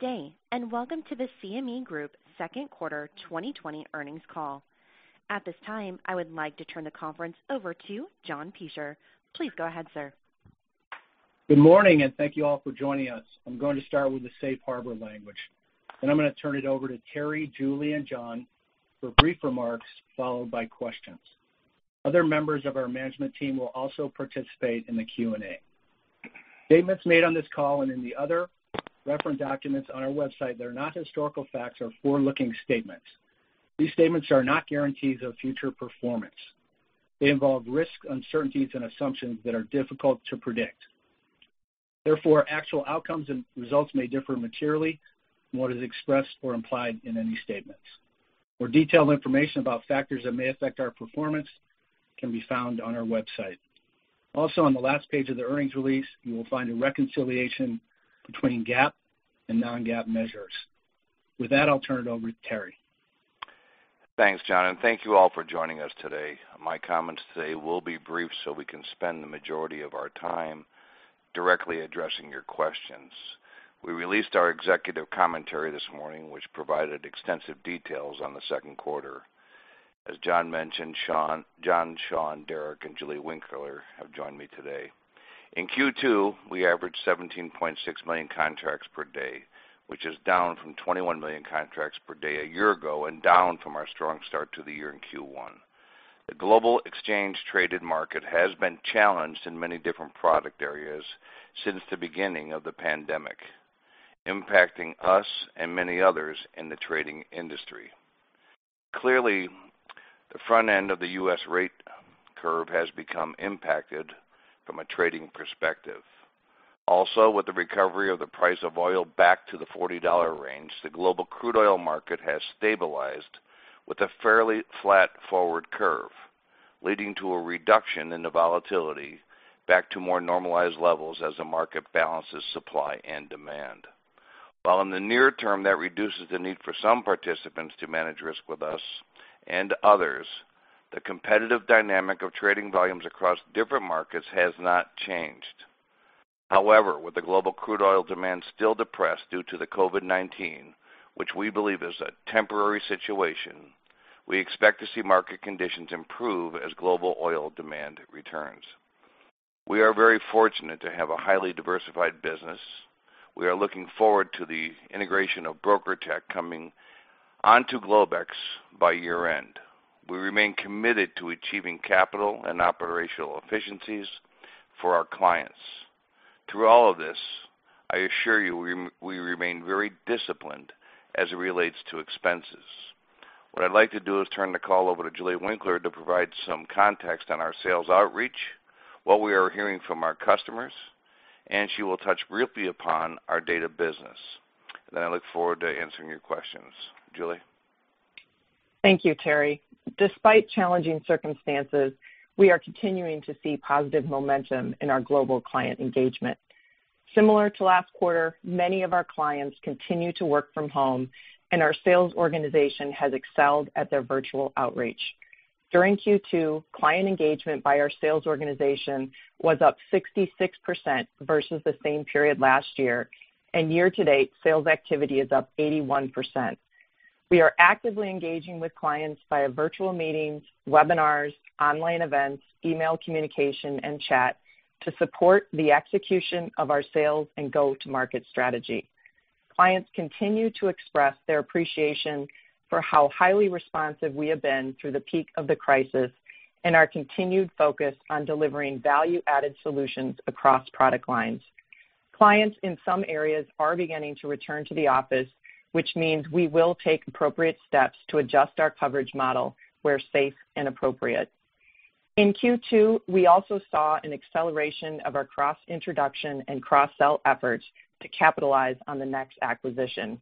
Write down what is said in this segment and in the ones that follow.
Day, welcome to the CME Group Second Quarter 2020 Earnings Call. At this time, I would like to turn the conference over to John Peschier. Please go ahead, sir. Good morning, and thank you all for joining us. I'm going to start with the safe harbor language, I'm going to turn it over to Terry, Julie, and John for brief remarks, followed by questions. Other members of our management team will also participate in the Q&A. Statements made on this call and in the other referenced documents on our website that are not historical facts are forward-looking statements. These statements are not guarantees of future performance. They involve risks, uncertainties, and assumptions that are difficult to predict. Therefore, actual outcomes and results may differ materially from what is expressed or implied in any statements. More detailed information about factors that may affect our performance can be found on our website. On the last page of the earnings release, you will find a reconciliation between GAAP and non-GAAP measures. With that, I'll turn it over to Terry. Thanks, John. Thank you all for joining us today. My comments today will be brief so we can spend the majority of our time directly addressing your questions. We released our executive commentary this morning, which provided extensive details on the second quarter. As John mentioned Sean, Derek, and Julie Winkler have joined me today. In Q2, we averaged 17.6 million contracts per day, which is down from 21 million contracts per day a year ago and down from our strong start to the year in Q1. The global exchange traded market has been challenged in many different product areas since the beginning of the pandemic, impacting us and many others in the trading industry. Clearly, the front end of the U.S. rate curve has become impacted from a trading perspective. Also, with the recovery of the price of oil back to the 40 dollar range, the global crude oil market has stabilized with a fairly flat forward curve, leading to a reduction in the volatility back to more normalized levels as the market balances supply and demand. While in the near term, that reduces the need for some participants to manage risk with us and others, the competitive dynamic of trading volumes across different markets has not changed. With the global crude oil demand still depressed due to the COVID-19, which we believe is a temporary situation, we expect to see market conditions improve as global oil demand returns. We are very fortunate to have a highly diversified business. We are looking forward to the integration of BrokerTec coming onto Globex by year-end. We remain committed to achieving capital and operational efficiencies for our clients. Through all of this, I assure you, we remain very disciplined as it relates to expenses. What I'd like to do is turn the call over to Julie Winkler to provide some context on our sales outreach, what we are hearing from our customers, and she will touch briefly upon our data business. I look forward to answering your questions. Julie? Thank you, Terry. Despite challenging circumstances, we are continuing to see positive momentum in our global client engagement. Similar to last quarter, many of our clients continue to work from home and our sales organization has excelled at their virtual outreach. During Q2, client engagement by our sales organization was up 66% versus the same period last year, and year-to-date, sales activity is up 81%. We are actively engaging with clients via virtual meetings, webinars, online events, email communication, and chat to support the execution of our sales and go-to-market strategy. Clients continue to express their appreciation for how highly responsive we have been through the peak of the crisis and our continued focus on delivering value-added solutions across product lines. Clients in some areas are beginning to return to the office, which means we will take appropriate steps to adjust our coverage model where safe and appropriate. In Q2, we also saw an acceleration of our cross introduction and cross-sell efforts to capitalize on the NEX acquisition.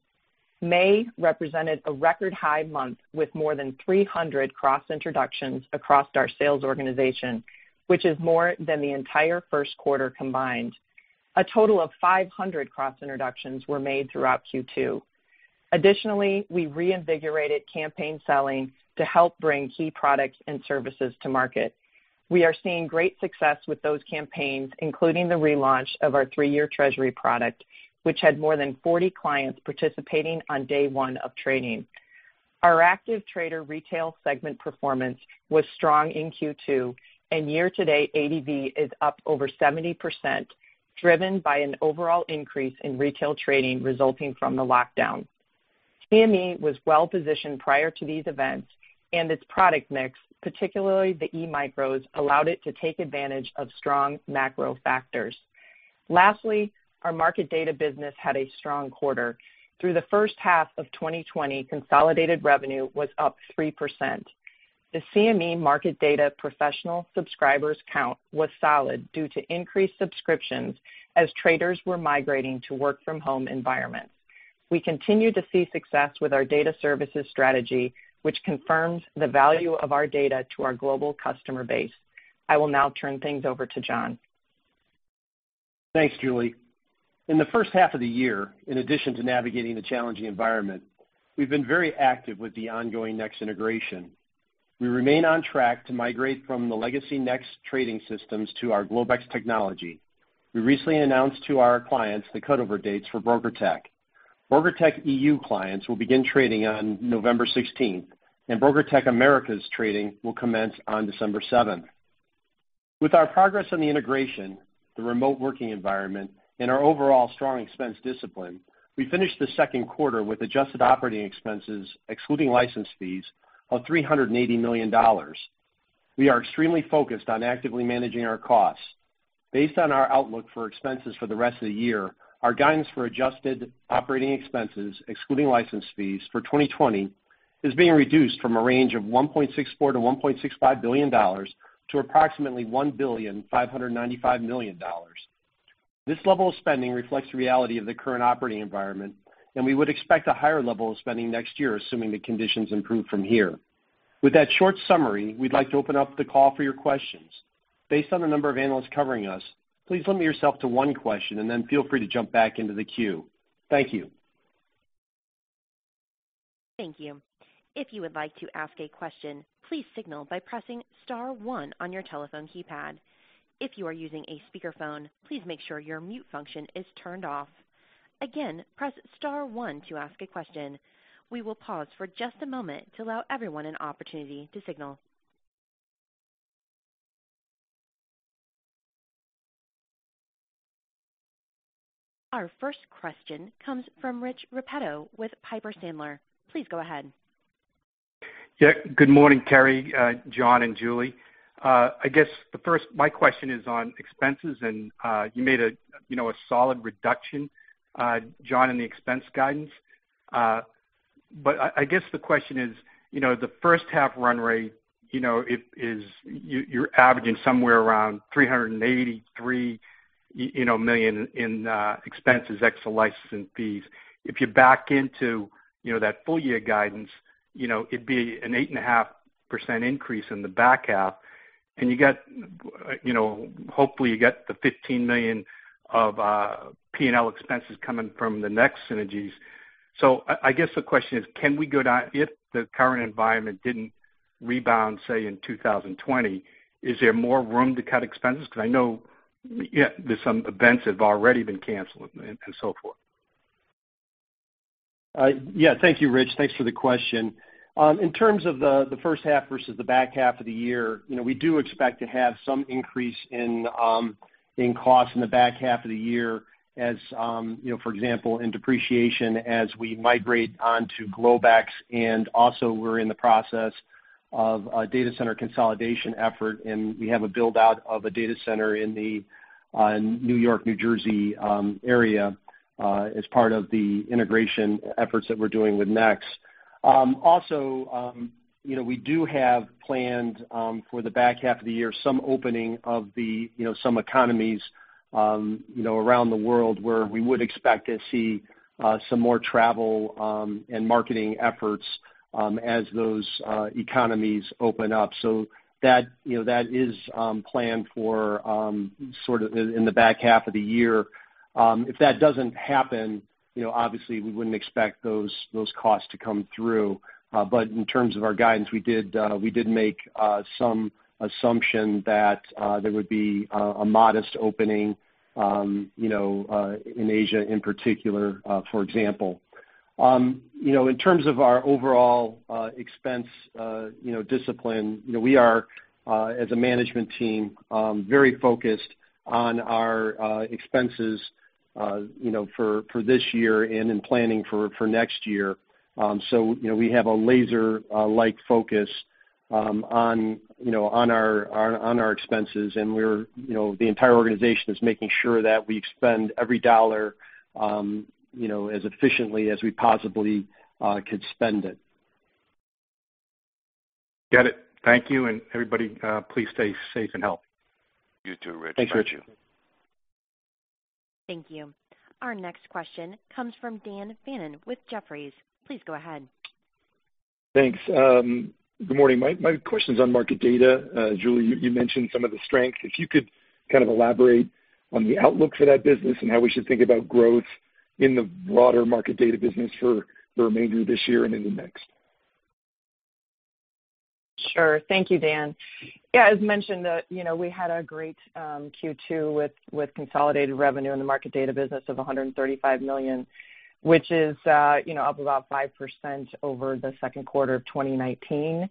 May represented a record high month with more than 300 cross introductions across our sales organization, which is more than the entire first quarter combined. A total of 500 cross introductions were made throughout Q2. Additionally, we reinvigorated campaign selling to help bring key products and services to market. We are seeing great success with those campaigns, including the relaunch of our three-year Treasury product, which had more than 40 clients participating on day one of trading. Our active trader retail segment performance was strong in Q2, and year to date, ADV is up over 70%, driven by an overall increase in retail trading resulting from the lockdown. CME was well-positioned prior to these events, and its product mix, particularly the E-micros, allowed it to take advantage of strong macro factors. Lastly, our market data business had a strong quarter. Through the first half of 2020, consolidated revenue was up 3%. The CME market data professional subscribers count was solid due to increased subscriptions as traders were migrating to work from home environments. We continue to see success with our data services strategy, which confirms the value of our data to our global customer base. I will now turn things over to John. Thanks, Julie. In the first half of the year, in addition to navigating the challenging environment, we've been very active with the ongoing NEX integration We remain on track to migrate from the legacy NEX trading systems to our Globex technology. We recently announced to our clients the cutover dates for BrokerTec. BrokerTec EU clients will begin trading on November 16th, and BrokerTec Americas trading will commence on December 7th. With our progress on the integration, the remote working environment, and our overall strong expense discipline, we finished the second quarter with adjusted operating expenses, excluding license fees, of $380 million. We are extremely focused on actively managing our costs. Based on our outlook for expenses for the rest of the year, our guidance for adjusted operating expenses, excluding license fees for 2020, is being reduced from a range of $1.64 billion-$1.65 billion to approximately $1.595 billion. This level of spending reflects the reality of the current operating environment, and we would expect a higher level of spending next year, assuming the conditions improve from here. With that short summary, we'd like to open up the call for your questions. Based on the number of analysts covering us, please limit yourself to one question, and then feel free to jump back into the queue. Thank you. Thank you. If you would like to ask a question, please signal by pressing star one on your telephone keypad. If you are using a speakerphone, please make sure your mute function is turned off. Again, press star one to ask a question. We will pause for just a moment to allow everyone an opportunity to signal. Our first question comes from Rich Repetto with Piper Sandler. Please go ahead. Good morning, Terry, John, and Julie. I guess my question is on expenses. You made a solid reduction, John, in the expense guidance. I guess the question is, the first half run rate, you're averaging somewhere around $383 million in expenses, ex the license and fees. If you back into that full year guidance, it'd be an 8.5% increase in the back half. Hopefully, you got the $15 million of P&L expenses coming from the NEX synergies. I guess the question is, can we go down if the current environment didn't rebound, say, in 2020? Is there more room to cut expenses? I know there's some events that have already been canceled and so forth. Thank you, Rich. Thanks for the question. In terms of the first half versus the back half of the year, we do expect to have some increase in costs in the back half of the year as, for example, in depreciation as we migrate onto Globex. We're in the process of a data center consolidation effort, and we have a build-out of a data center in the New York, New Jersey area as part of the integration efforts that we're doing with NEX. We do have planned, for the back half of the year, some opening of some economies around the world where we would expect to see some more travel and marketing efforts as those economies open up. That is planned for sort of in the back half of the year. If that doesn't happen, obviously we wouldn't expect those costs to come through. In terms of our guidance, we did make some assumption that there would be a modest opening in Asia in particular, for example. In terms of our overall expense discipline, we are, as a management team, very focused on our expenses for this year and in planning for next year. We have a laser-like focus on our expenses, and the entire organization is making sure that we spend every dollar as efficiently as we possibly could spend it. Get it. Thank you. Everybody, please stay safe and healthy. You too, Rich. Thanks, Rich. Thank you. Our next question comes from Dan Fannon with Jefferies. Please go ahead. Thanks. Good morning. My question's on market data. Julie, you mentioned some of the strengths. If you could kind of elaborate on the outlook for that business and how we should think about growth in the broader market data business for the remainder of this year and into next? Sure. Thank you, Dan. Yeah, as mentioned, we had a great Q2 with consolidated revenue in the market data business of $135 million, which is up about 5% over the second quarter of 2019.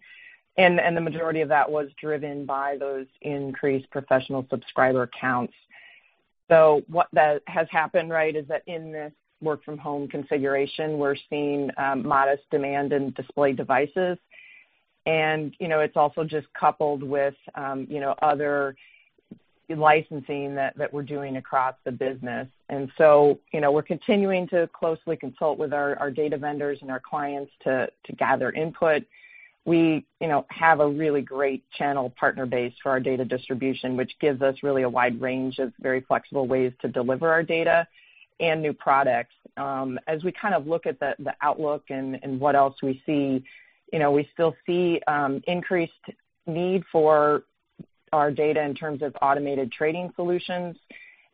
The majority of that was driven by those increased professional subscriber counts. What has happened, right, is that in this work-from-home configuration, we're seeing modest demand in display devices. It's also just coupled with other licensing that we're doing across the business. We're continuing to closely consult with our data vendors and our clients to gather input. We have a really great channel partner base for our data distribution, which gives us really a wide range of very flexible ways to deliver our data and new products. We kind of look at the outlook and what else we see, we still see increased need for our data in terms of automated trading solutions,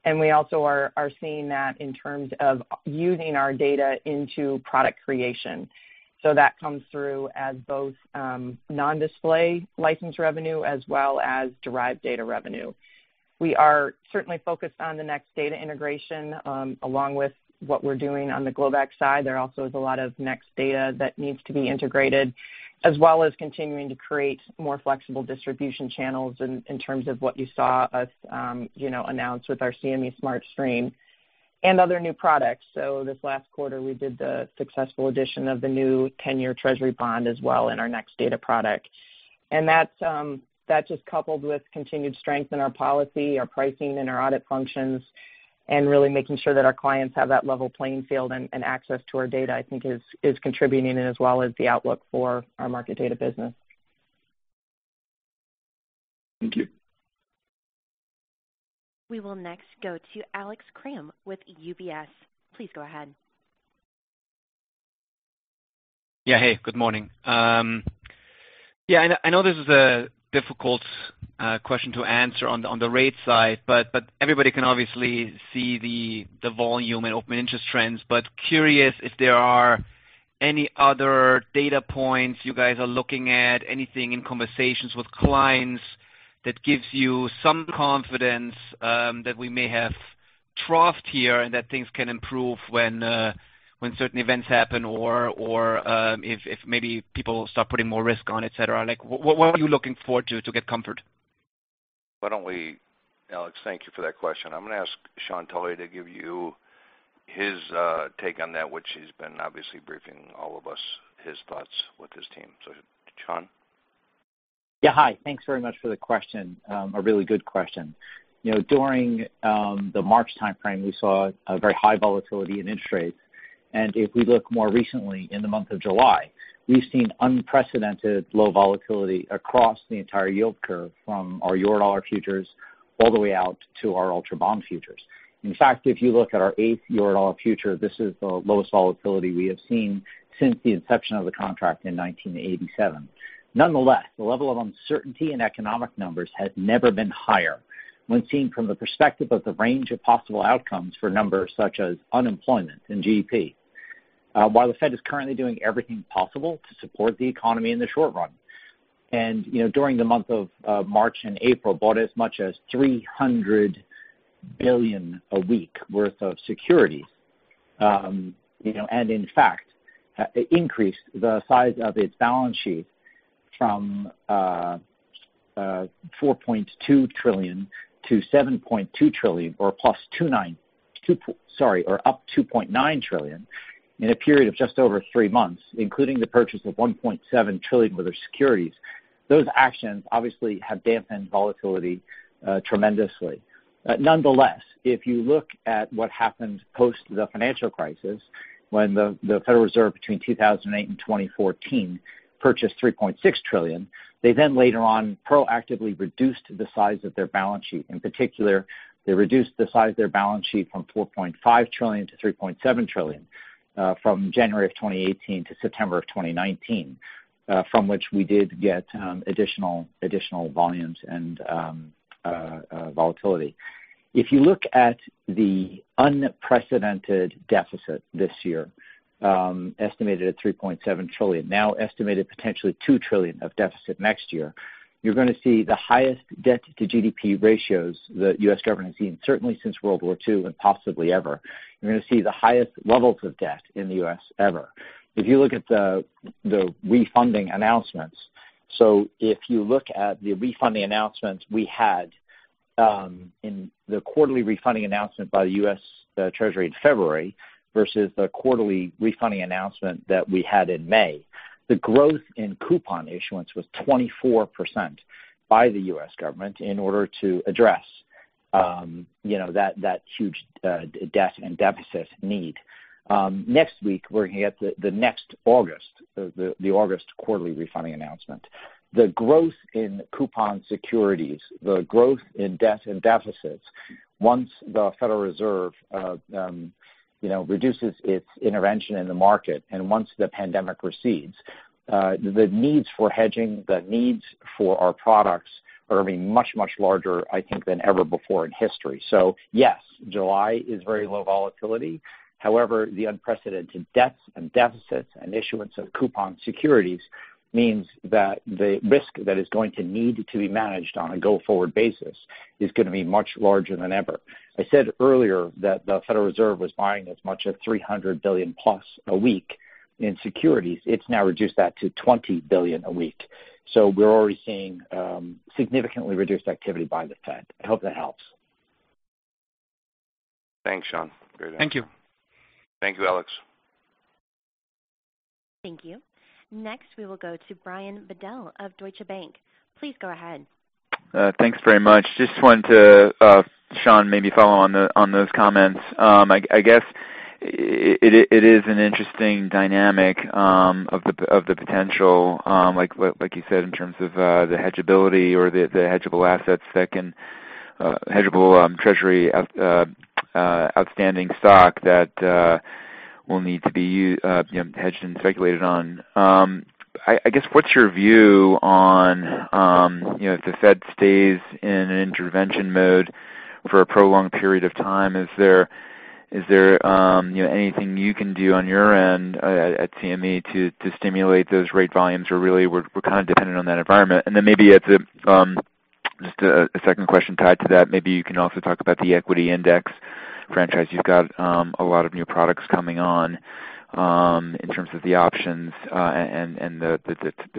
and we also are seeing that in terms of using our data into product creation. That comes through as both non-display license revenue as well as derived data revenue. We are certainly focused on the NEX data integration, along with what we're doing on the Globex side. There also is a lot of NEX data that needs to be integrated, as well as continuing to create more flexible distribution channels in terms of what you saw us announce with our CME Smart Stream and other new products. This last quarter, we did the successful addition of the new 10-year Treasury bond as well in our NEX data product. That just coupled with continued strength in our policy, our pricing, and our audit functions, and really making sure that our clients have that level playing field and access to our data, I think is contributing as well as the outlook for our market data business. Thank you. We will next go to Alex Kramm with UBS. Please go ahead. Yeah. Hey, good morning. Yeah, I know this is a difficult question to answer on the rates side, everybody can obviously see the volume and open interest trends. Curious if there are any other data points you guys are looking at, anything in conversations with clients that gives you some confidence that we may have troughs here and that things can improve when certain events happen or if maybe people start putting more risk on, et cetera. What are you looking forward to to get comfort? Alex, thank you for that question. I'm going to ask Sean Tully to give you his take on that, which he's been obviously briefing all of us his thoughts with his team. Sean. Yeah, hi. Thanks very much for the question. A really good question. During the March timeframe, we saw a very high volatility in interest rates. If we look more recently in the month of July, we've seen unprecedented low volatility across the entire yield curve from our Eurodollar futures all the way out to our Ultra Bond futures. In fact, if you look at our eighth Eurodollar future, this is the lowest volatility we have seen since the inception of the contract in 1987. Nonetheless, the level of uncertainty in economic numbers has never been higher when seen from the perspective of the range of possible outcomes for numbers such as unemployment and GDP. While the Fed is currently doing everything possible to support the economy in the short run, and during the month of March and April, bought as much as $300 billion a week worth of securities. In fact, increased the size of its balance sheet from 4.2 trillion to 7.2 trillion or up 2.9 trillion in a period of just over three months, including the purchase of 1.7 trillion worth of securities. Those actions obviously have dampened volatility tremendously. If you look at what happened post the financial crisis, when the Federal Reserve between 2008 and 2014 purchased 3.6 trillion, they then later on proactively reduced the size of their balance sheet. In particular, they reduced the size of their balance sheet from 4.5 trillion to 3.7 trillion from January of 2018 to September of 2019, from which we did get additional volumes and volatility. If you look at the unprecedented deficit this year, estimated at $3.7 trillion, now estimated potentially $2 trillion of deficit next year, you're going to see the highest debt-to-GDP ratios the U.S. government has seen, certainly since World War II and possibly ever. If you look at the refunding announcements, if you look at the refunding announcements we had in the quarterly refunding announcement by the U.S. Treasury in February versus the quarterly refunding announcement that we had in May, the growth in coupon issuance was 24% by the U.S. government in order to address that huge debt and deficit need. Next week, we're going to get the next August, the August quarterly refunding announcement. The growth in coupon securities, the growth in debt and deficits, once the Federal Reserve reduces its intervention in the market, and once the pandemic recedes, the needs for hedging, the needs for our products are going to be much, much larger, I think, than ever before in history. Yes, July is very low volatility. However, the unprecedented debts and deficits and issuance of coupon securities means that the risk that is going to need to be managed on a go-forward basis is going to be much larger than ever. I said earlier that the Federal Reserve was buying as much as 300 billion+ a week in securities. It's now reduced that to 20 billion a week. We're already seeing significantly reduced activity by the Fed. I hope that helps. Thanks, Sean. Great. Thank you. Thank you, Alex. Thank you. Next, we will go to Brian Bedell of Deutsche Bank. Please go ahead. Thanks very much. Just wanted to, Sean, maybe follow on those comments. I guess it is an interesting dynamic of the potential, like you said, in terms of the hedgability or the hedgeable assets, hedgeable Treasury outstanding stock that will need to be hedged and speculated on. I guess, what's your view on, if the Fed stays in intervention mode for a prolonged period of time, is there anything you can do on your end at CME to stimulate those rate volumes? Or really, we're kind of dependent on that environment. Then maybe as a second question tied to that, maybe you can also talk about the equity index franchise. You've got a lot of new products coming on, in terms of the options and the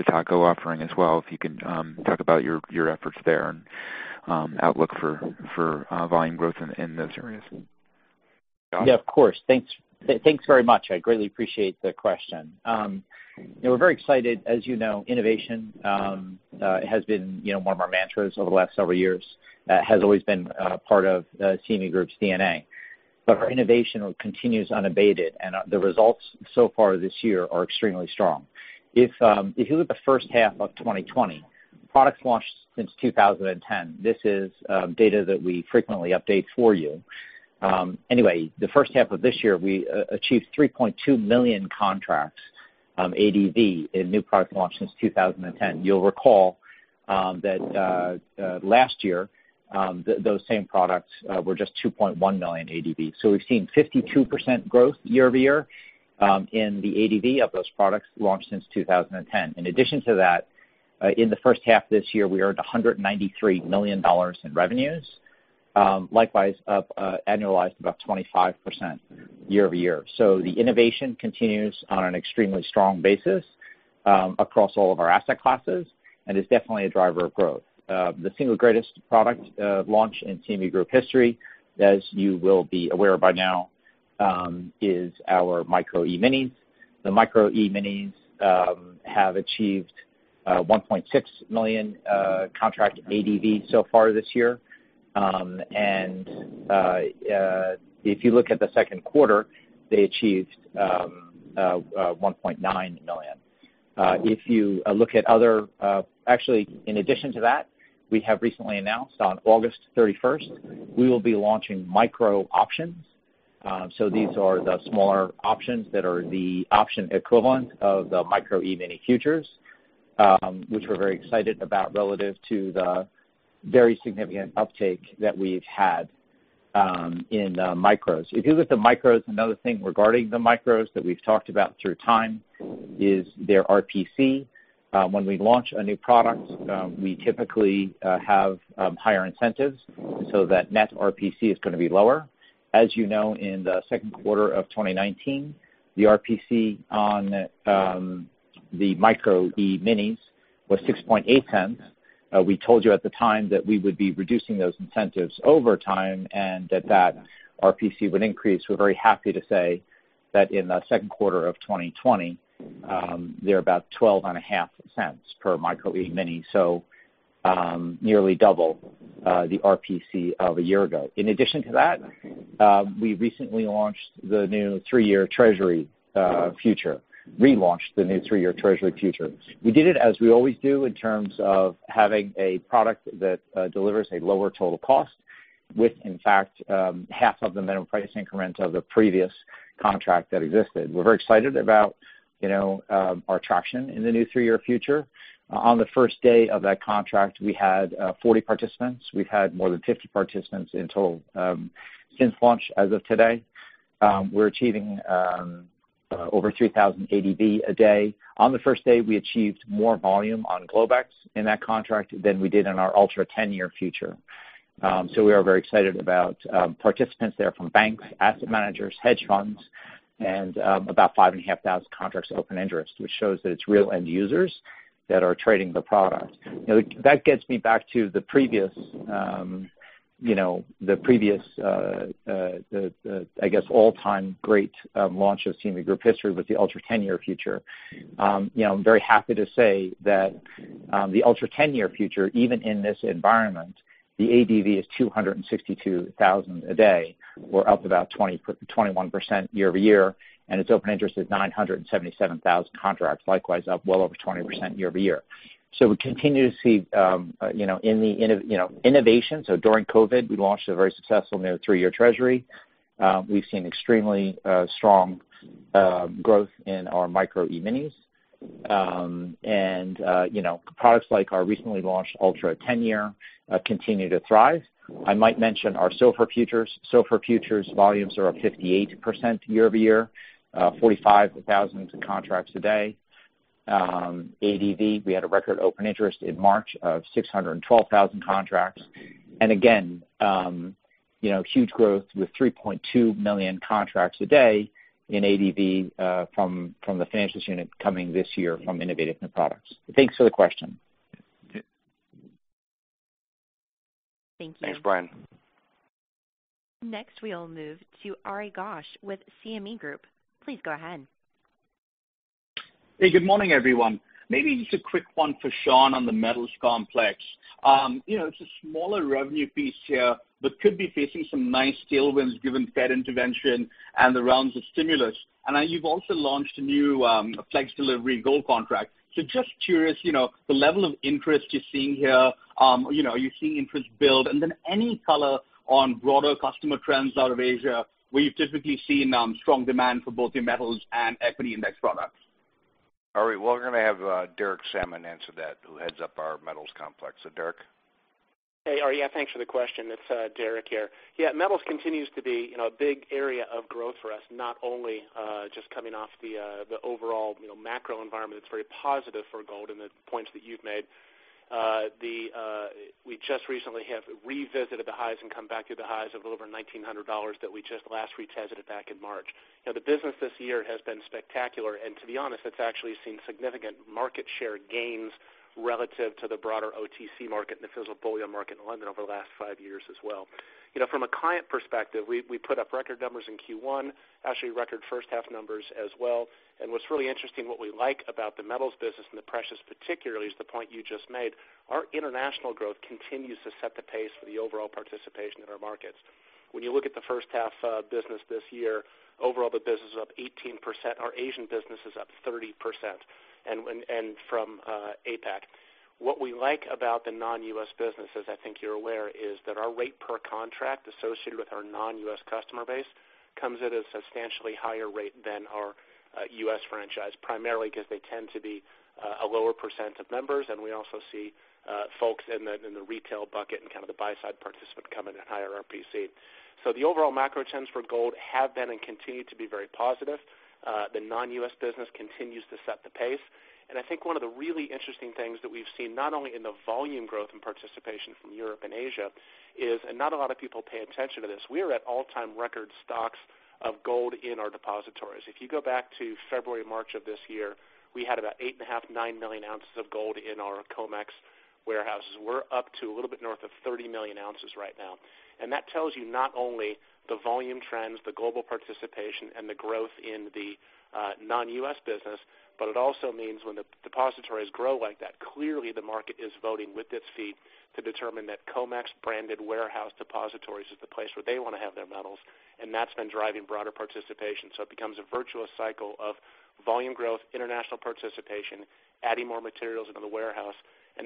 TACO offering as well. If you can talk about your efforts there and outlook for volume growth in those areas. Yeah, of course. Thanks very much. I greatly appreciate the question. We're very excited. As you know, innovation has been one of our mantras over the last several years, has always been a part of CME Group's DNA. Our innovation continues unabated, and the results so far this year are extremely strong. If you look at the first half of 2020, products launched since 2010, this is data that we frequently update for you. Anyway, the first half of this year, we achieved 3.2 million contracts, ADV, in new products launched since 2010. You'll recall that last year, those same products were just 2.1 million ADV. We've seen 52% growth year-over-year in the ADV of those products launched since 2010. In addition to that, in the first half this year, we earned $193 million in revenues. Likewise, up annualized about 25% year-over-year. The innovation continues on an extremely strong basis across all of our asset classes and is definitely a driver of growth. The single greatest product launch in CME Group history, as you will be aware by now, is our Micro E-minis. The Micro E-minis have achieved 1.6 million contract ADV so far this year. If you look at the second quarter, they achieved 1.9 million. Actually, in addition to that, we have recently announced on August 31st, we will be launching micro options. These are the smaller options that are the option equivalent of the Micro E-mini futures, which we're very excited about relative to the very significant uptake that we've had in Micros. If you look at the Micros, another thing regarding the Micros that we've talked about through time is their RPC. When we launch a new product, we typically have higher incentives so that net RPC is going to be lower. As you know, in the second quarter of 2019, the RPC on the Micro E-minis was $0.068. We told you at the time that we would be reducing those incentives over time and that RPC would increase. We're very happy to say that in the second quarter of 2020, they're about $0.125 per Micro E-mini, so nearly double the RPC of a year ago. In addition to that, we recently launched the new three-year Treasury future, relaunched the new three-year Treasury future. We did it as we always do in terms of having a product that delivers a lower total cost with, in fact, half of the minimum price increment of the previous contract that existed. We're very excited about our traction in the new three-year future. On the first day of that contract, we had 40 participants. We've had more than 50 participants in total since launch as of today. We're achieving over 3,000 ADV a day. On the first day, we achieved more volume on Globex in that contract than we did on our Ultra 10-Year future. We are very excited about participants there from banks, asset managers, hedge funds, and about 5,500 contracts open interest, which shows that it's real end users that are trading the product. That gets me back to the previous, I guess all-time great launch of CME Group history with the Ultra 10-Year future. I'm very happy to say that the Ultra 10-Year future, even in this environment, the ADV is 262,000 a day. We're up about 21% year-over-year, and its open interest is 977,000 contracts, likewise up well over 20% year-over-year. We continue to see innovation. During COVID, we launched a very successful new three-year Treasury. We've seen extremely strong growth in our Micro E-minis. Products like our recently launched Ultra 10-Year continue to thrive. I might mention our SOFR futures. SOFR futures volumes are up 58% year-over-year, 45,000 contracts a day ADV. We had a record open interest in March of 612,000 contracts. Again, huge growth with 3.2 million contracts a day in ADV from the financials unit coming this year from innovative new products. Thanks for the question. Thanks, Brian. Next, we'll move to Ari Ghosh with CME Group. Please go ahead. Hey, good morning, everyone. Maybe just a quick one for Sean on the metals complex. It's a smaller revenue piece here that could be facing some nice tailwinds given Fed intervention and the rounds of stimulus. You've also launched a new flex delivery gold contract. Just curious, the level of interest you're seeing here, are you seeing interest build? Then any color on broader customer trends out of Asia, where you've typically seen strong demand for both your metals and equity index products? All right. Well, we're going to have Derek Sammann answer that, who heads up our metals complex. Derek? Hey, Ari, yeah, thanks for the question. It's Derek here. Yeah, metals continues to be a big area of growth for us, not only just coming off the overall macro environment that's very positive for gold and the points that you've made. We just recently have revisited the highs and come back to the highs of a little over $1,900 that we just last retested back in March. Now, the business this year has been spectacular, and to be honest, it's actually seen significant market share gains relative to the broader OTC market and the physical bullion market in London over the last five years as well. From a client perspective, we put up record numbers in Q1, actually record first half numbers as well. What's really interesting, what we like about the metals business and the precious particularly is the point you just made. Our international growth continues to set the pace for the overall participation in our markets. When you look at the first half of business this year, overall, the business is up 18%. Our Asian business is up 30%, from APAC. What we like about the non-US business, as I think you're aware, is that our rate per contract associated with our non-US customer base comes at a substantially higher rate than our US franchise, primarily because they tend to be a lower % of members, and we also see folks in the retail bucket and kind of the buy-side participant come in at higher RPC. The overall macro trends for gold have been and continue to be very positive. The non-US business continues to set the pace. I think one of the really interesting things that we've seen, not only in the volume growth and participation from Europe and Asia is, and not a lot of people pay attention to this, we are at all-time record stocks of gold in our depositories. If you go back to February, March of this year, we had about 8.5, 9 million ounces of gold in our COMEX warehouses. We're up to a little bit north of 30 million ounces right now. That tells you not only the volume trends, the global participation, and the growth in the non-U.S. business, but it also means when the depositories grow like that, clearly the market is voting with its feet to determine that COMEX-branded warehouse depositories is the place where they want to have their metals, and that's been driving broader participation. It becomes a virtuous cycle of volume growth, international participation, adding more materials into the warehouse.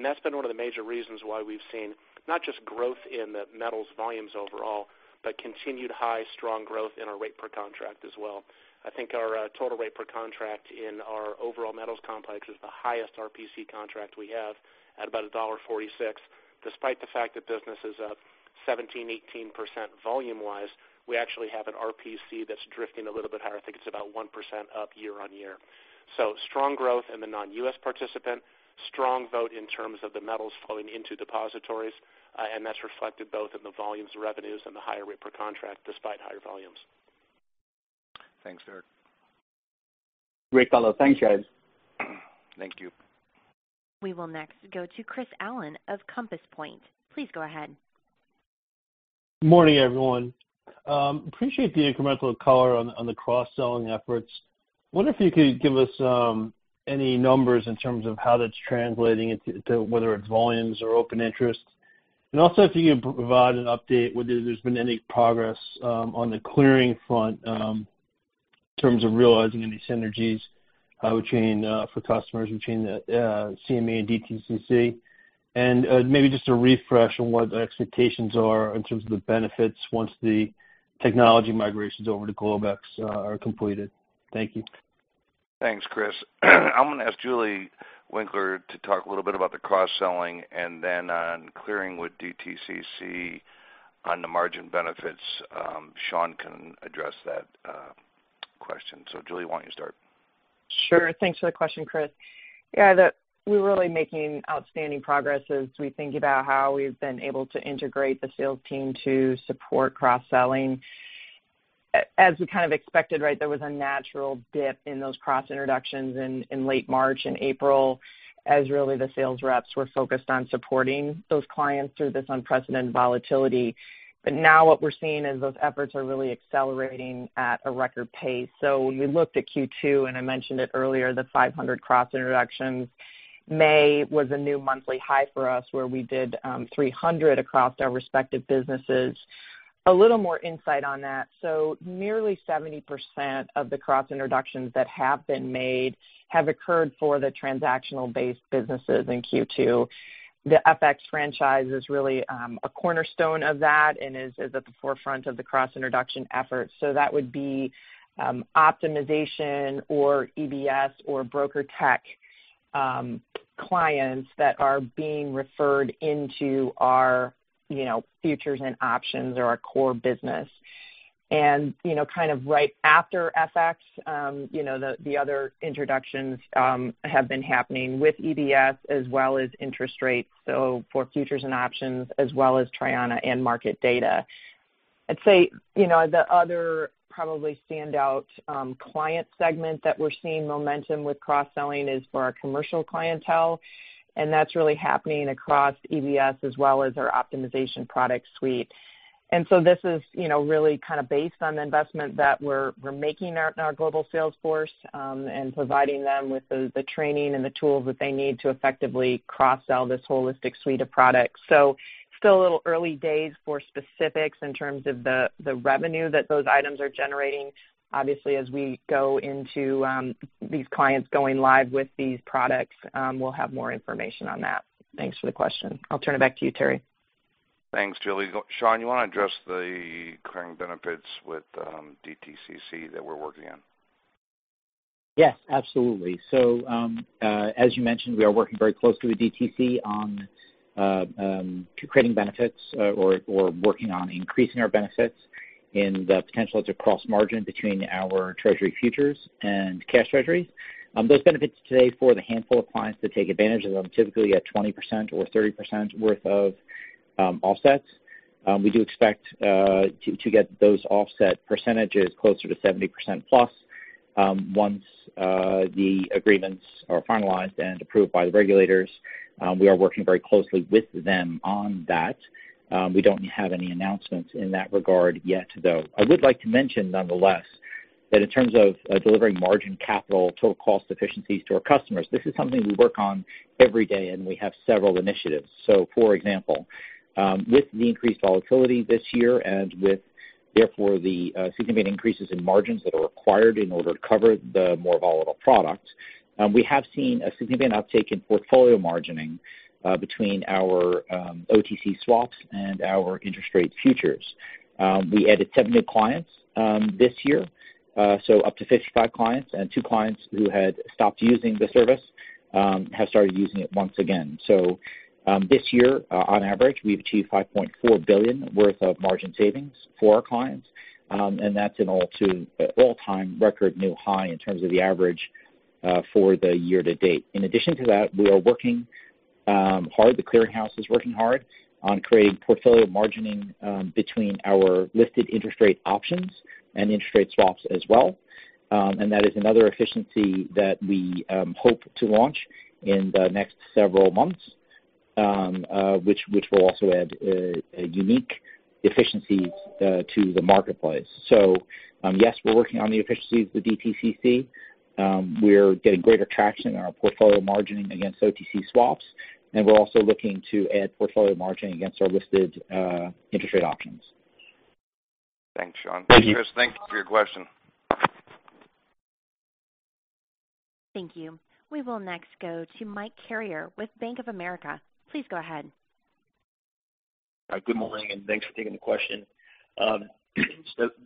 That's been one of the major reasons why we've seen not just growth in the metals volumes overall, but continued high, strong growth in our rate per contract as well. I think our total rate per contract in our overall metals complex is the highest RPC contract we have at about $1.46. Despite the fact that business is up 17%, 18% volume-wise, we actually have an RPC that's drifting a little bit higher. I think it's about 1% up year-on-year. Strong growth in the non-U.S. participant, strong flow in terms of the metals flowing into depositories, and that's reflected both in the volumes, the revenues, and the higher rate per contract despite higher volumes. Thanks, Derek. Great color. Thanks, guys. Thank you. We will next go to Chris Allen of Compass Point. Please go ahead. Morning, everyone. Appreciate the incremental color on the cross-selling efforts. Wonder if you could give us any numbers in terms of how that's translating into whether it's volumes or open interest. Also, if you can provide an update whether there's been any progress on the clearing front in terms of realizing any synergies between for customers between CME and DTCC, and maybe just a refresh on what the expectations are in terms of the benefits once the technology migrations over to Globex are completed. Thank you. Thanks, Chris. I'm going to ask Julie Winkler to talk a little bit about the cross-selling, and then on clearing with DTCC on the margin benefits, Sean can address that question. Julie, why don't you start? Sure. Thanks for the question, Chris. We're really making outstanding progress as we think about how we've been able to integrate the sales team to support cross-selling. As we kind of expected, right, there was a natural dip in those cross-introductions in late March and April as really the sales reps were focused on supporting those clients through this unprecedented volatility. Now what we're seeing is those efforts are really accelerating at a record pace. When we looked at Q2, and I mentioned it earlier, the 500 cross-introductions, May was a new monthly high for us where we did 300 across our respective businesses. A little more insight on that. Nearly 70% of the cross-introductions that have been made have occurred for the transactional-based businesses in Q2. The FX franchise is really a cornerstone of that and is at the forefront of the cross-introduction efforts. That would be optimization or EBS or BrokerTec clients that are being referred into our futures and options or our core business. Kind of right after FX, the other introductions have been happening with EBS as well as interest rates, so for futures and options, as well as Traiana and market data. I'd say, the other probably standout client segment that we're seeing momentum with cross-selling is for our commercial clientele, and that's really happening across EBS as well as our optimization product suite. This is really kind of based on the investment that we're making in our global sales force and providing them with the training and the tools that they need to effectively cross-sell this holistic suite of products. Still a little early days for specifics in terms of the revenue that those items are generating. Obviously, as we go into these clients going live with these products, we'll have more information on that. Thanks for the question. I'll turn it back to you, Terry. Thanks, Julie. Sean, you want to address the current benefits with DTCC that we're working on? Yes, absolutely. As you mentioned, we are working very closely with DTCC on creating benefits or working on increasing our benefits in the potential to cross margin between our Treasury futures and cash Treasury. Those benefits today for the handful of clients that take advantage of them, typically at 20% or 30% worth of offsets. We do expect to get those offset percentages closer to 70% plus, once the agreements are finalized and approved by the regulators. We are working very closely with them on that. We don't have any announcements in that regard yet, though. I would like to mention, nonetheless, that in terms of delivering margin capital total cost efficiencies to our customers, this is something we work on every day, and we have several initiatives. For example, with the increased volatility this year and with therefore the significant increases in margins that are required in order to cover the more volatile products, we have seen a significant uptick in portfolio margining between our OTC swaps and our interest rate futures. We added seven new clients this year, so up to 55 clients, and two clients who had stopped using the service have started using it once again. This year, on average, we've achieved $5.4 billion worth of margin savings for our clients. That's an all-time record new high in terms of the average for the year to date. In addition to that, we are working hard, the clearing house is working hard on creating portfolio margining between our listed interest rate options and interest rate swaps as well. That is another efficiency that we hope to launch in the next several months, which will also add a unique efficiency to the marketplace. Yes, we're working on the efficiencies with DTCC. We're getting greater traction on our portfolio margining against OTC swaps, and we're also looking to add portfolio margining against our listed interest rate options. Thanks, Sean. Thank you. Chris, thanks for your question. Thank you. We will next go to Mike Carrier with Bank of America. Please go ahead. Good morning, thanks for taking the question.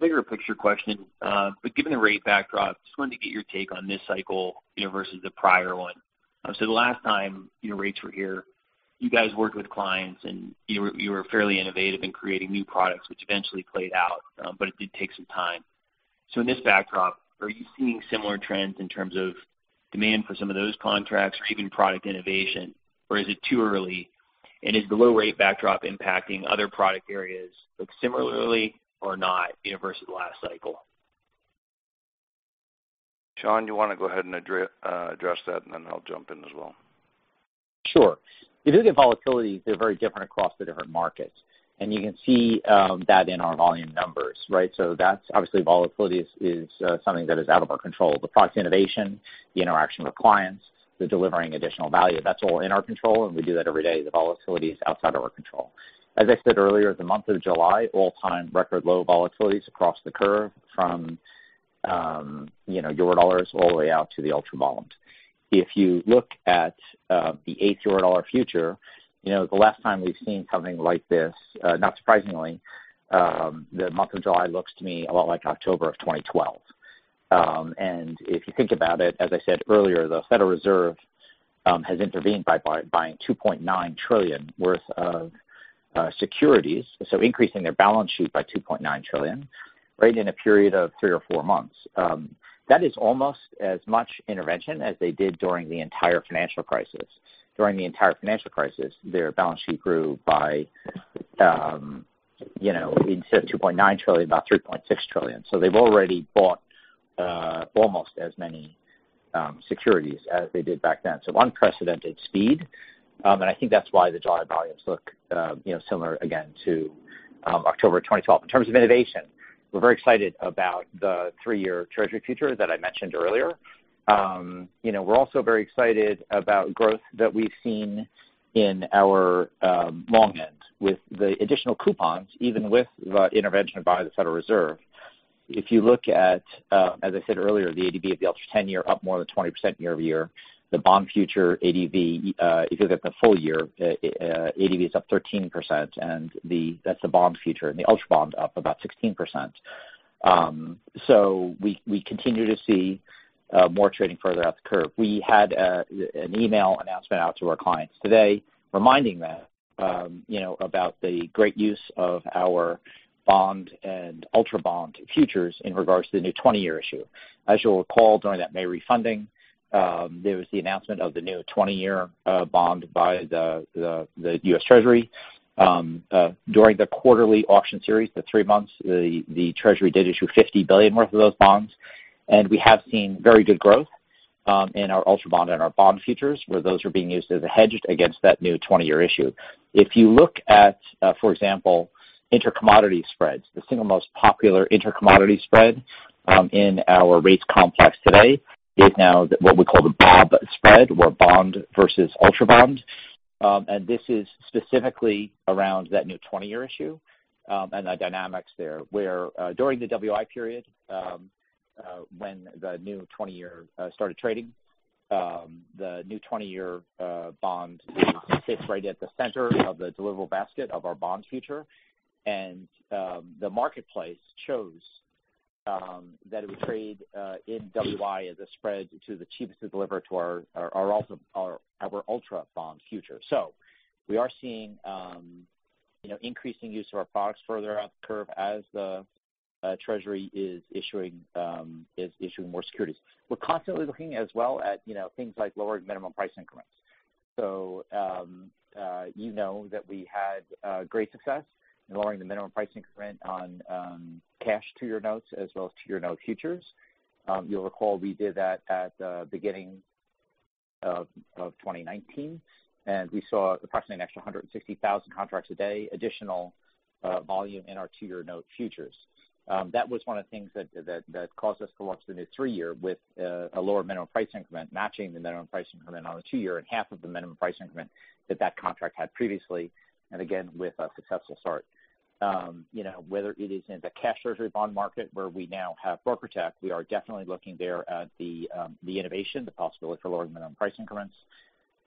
Bigger picture question, but given the rate backdrop, just wanted to get your take on this cycle versus the prior one. The last time rates were here, you guys worked with clients, and you were fairly innovative in creating new products, which eventually played out, but it did take some time. In this backdrop, are you seeing similar trends in terms of demand for some of those contracts or even product innovation, or is it too early, and is the low rate backdrop impacting other product areas, like similarly or not versus last cycle? Sean, you want to go ahead and address that, and then I'll jump in as well. Sure. The volatility, they're very different across the different markets, and you can see that in our volume numbers, right? That's obviously volatility is something that is out of our control. The product innovation, the interaction with clients, the delivering additional value, that's all in our control, and we do that every day. The volatility is outside of our control. As I said earlier, the month of July, all-time record low volatility across the curve from Eurodollars all the way out to the Ultra Bonds. If you look at the eighth Eurodollar future, the last time we've seen something like this, not surprisingly, the month of July looks to me a lot like October of 2012. If you think about it, as I said earlier, the Federal Reserve has intervened by buying $2.9 trillion worth of securities. Increasing their balance sheet by $2.9 trillion, right, in a period of three or four months. That is almost as much intervention as they did during the entire financial crisis. During the entire financial crisis, their balance sheet grew by instead of $2.9 trillion, about $3.6 trillion. They've already bought almost as many securities as they did back then. Unprecedented speed, and I think that's why the July volumes look similar again to October 2012. In terms of innovation, we're very excited about the 3-year Treasury future that I mentioned earlier. We're also very excited about growth that we've seen in our long end with the additional coupons, even with the intervention by the Federal Reserve. If you look at, as I said earlier, the ADV of the Ultra 10-Year up more than 20% year-over-year, the bond future ADV, if you look at the full year, ADV is up 13%, and that's the bond future, and the Ultra Bond up about 16%. We continue to see more trading further out the curve. We had an email announcement out to our clients today reminding them about the great use of our bond and Ultra Bond futures in regards to the new 20-year issue. As you'll recall, during that May refunding, there was the announcement of the new 20-year bond by the U.S. Treasury. During the quarterly auction series, the three months, the Treasury did issue $50 billion worth of those bonds, and we have seen very good growth in our Ultra Bond and our bond futures, where those are being used as a hedge against that new 20-year issue. If you look at, for example, inter-commodity spreads, the single most popular inter-commodity spread in our rates complex today is now what we call the BOB spread, or bond versus Ultra Bond. This is specifically around that new 20-year issue and the dynamics there, where during the WI period, when the new 20-year started trading. The new 20-year bond sits right at the center of the deliverable basket of our bonds future. The marketplace shows that it would trade in WI as a spread to the cheapest to deliver to our Ultra Bonds future. We are seeing increasing use of our products further up the curve as the Treasury is issuing more securities. We're constantly looking as well at things like lowered minimum price increments. You know that we had great success in lowering the minimum price increment on cash 2-year notes as well as 2-year note futures. You'll recall we did that at the beginning of 2019, and we saw approximately an extra 160,000 contracts a day additional volume in our 2-year note futures. That was one of the things that caused us to launch the new 3-year with a lower minimum price increment, matching the minimum price increment on the 2-year and half of the minimum price increment that that contract had previously. Again, with a successful start. Whether it is in the cash treasury bond market where we now have BrokerTec, we are definitely looking there at the innovation, the possibility for lower minimum price increments,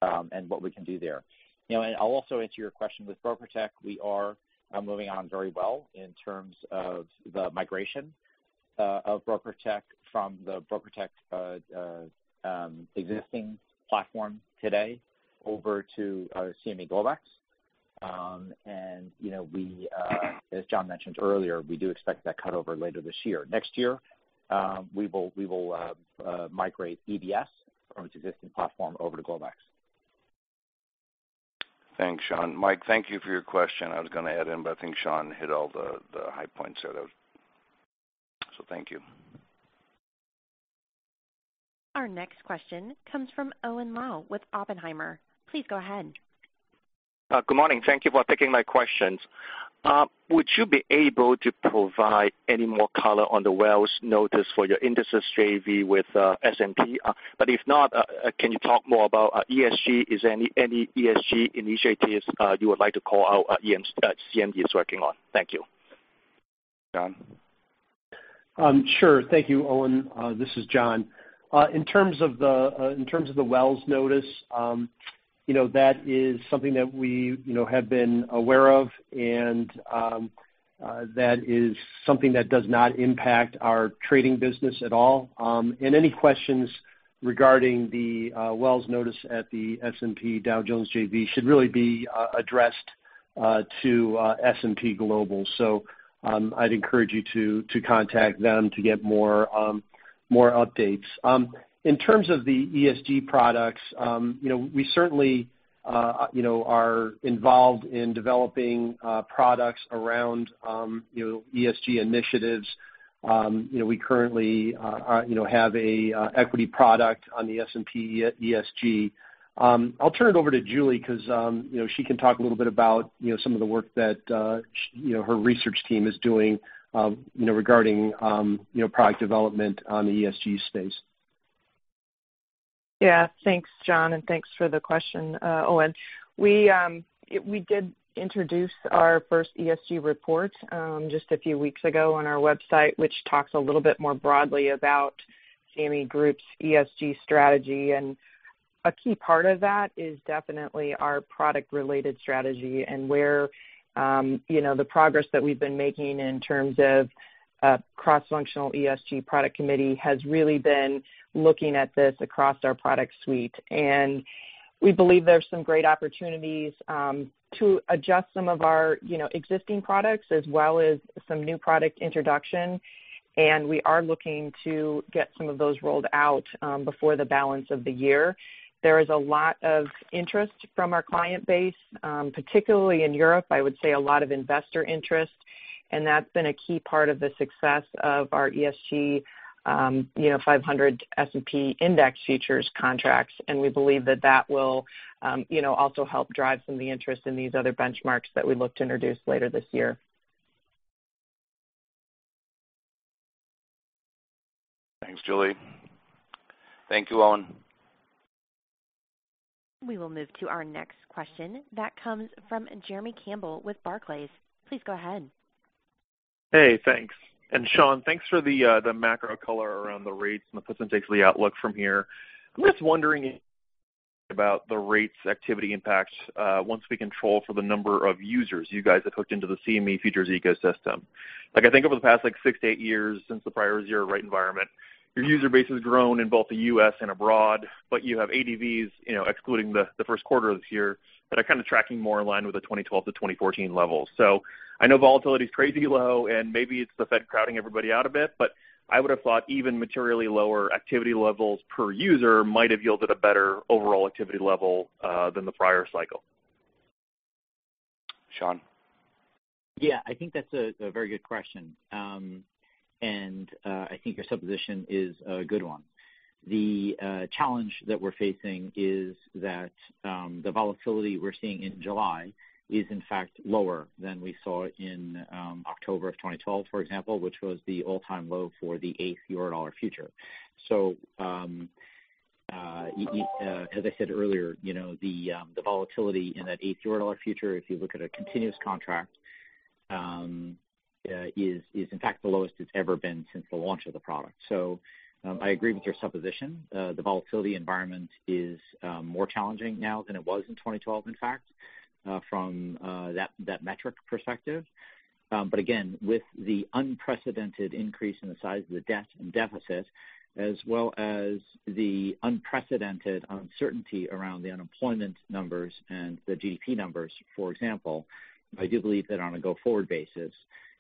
and what we can do there. I'll also answer your question with BrokerTec. We are moving on very well in terms of the migration of BrokerTec from the BrokerTec existing platform today over to CME Globex. As John mentioned earlier, we do expect that cut over later this year. Next year, we will migrate EBS from its existing platform over to Globex. Thanks, Sean. Mike, thank you for your question. I was going to add in, but I think Sean hit all the high points there. Thank you. Our next question comes from Owen Lau with Oppenheimer. Please go ahead. Good morning. Thank you for taking my questions. Would you be able to provide any more color on the Wells Notice for your indices JV with S&P? If not, can you talk more about ESG? Is there any ESG initiatives you would like to call out CME is working on? Thank you. John? Sure. Thank you, Owen. This is John. In terms of the Wells Notice, that is something that we have been aware of, that is something that does not impact our trading business at all. Any questions regarding the Wells Notice at the S&P Dow Jones JV should really be addressed to S&P Global. I'd encourage you to contact them to get more updates. In terms of the ESG products, we certainly are involved in developing products around ESG initiatives. We currently have a equity product on the S&P ESG. I'll turn it over to Julie because she can talk a little bit about some of the work that her research team is doing regarding product development on the ESG space. Yeah, thanks, John, and thanks for the question, Owen. We did introduce our first ESG report just a few weeks ago on our website, which talks a little bit more broadly about CME Group's ESG strategy. A key part of that is definitely our product related strategy and where the progress that we've been making in terms of cross-functional ESG product committee has really been looking at this across our product suite. We believe there's some great opportunities to adjust some of our existing products as well as some new product introduction, and we are looking to get some of those rolled out before the balance of the year. There is a lot of interest from our client base, particularly in Europe, I would say a lot of investor interest, and that's been a key part of the success of our S&P 500 ESG Index futures contracts, and we believe that that will also help drive some of the interest in these other benchmarks that we look to introduce later this year. Thanks, Julie. Thank you, Owen. We will move to our next question that comes from Jeremy Campbell with Barclays. Please go ahead. Hey, thanks. Sean, thanks for the macro color around the rates and the potentially outlook from here. I'm just wondering about the rates activity impacts once we control for the number of users you guys have hooked into the CME futures ecosystem. Like, I think over the past six to eight years since the prior zero rate environment, your user base has grown in both the U.S. and abroad, but you have ADV excluding the first quarter of this year that are kind of tracking more in line with the 2012 to 2014 levels. I know volatility's crazy low, and maybe it's the Fed crowding everybody out a bit, but I would've thought even materially lower activity levels per user might have yielded a better overall activity level than the prior cycle. Sean? Yeah, I think that's a very good question. I think your supposition is a good one. The challenge that we're facing is that the volatility we're seeing in July is, in fact, lower than we saw in October of 2012, for example, which was the all-time low for the eighth Eurodollar future. As I said earlier, the volatility in that eighth Eurodollar future, if you look at a continuous contract, is in fact the lowest it's ever been since the launch of the product. I agree with your supposition. The volatility environment is more challenging now than it was in 2012, in fact, from that metric perspective. Again, with the unprecedented increase in the size of the debt and deficit, as well as the unprecedented uncertainty around the unemployment numbers and the GDP numbers, for example, I do believe that on a go-forward basis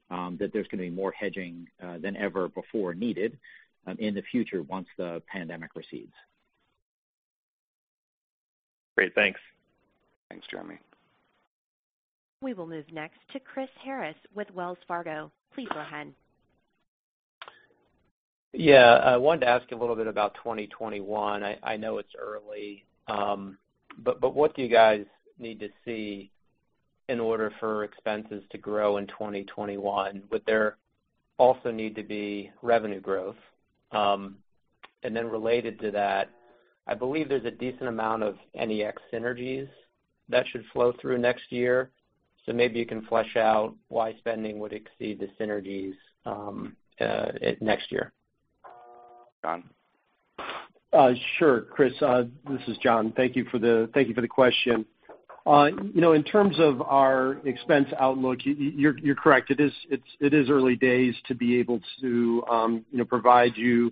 that there's going to be more hedging than ever before needed in the future once the pandemic recedes. Great. Thanks. Thanks, Jeremy. We will move next to Chris Harris with Wells Fargo. Please go ahead. Yeah. I wanted to ask a little bit about 2021. I know it's early. What do you guys need to see in order for expenses to grow in 2021? Would there also need to be revenue growth? Related to that, I believe there's a decent amount of NEX synergies that should flow through next year. Maybe you can flesh out why spending would exceed the synergies next year. John. Sure, Chris. This is John. Thank you for the question. In terms of our expense outlook, you're correct. It is early days to be able to provide you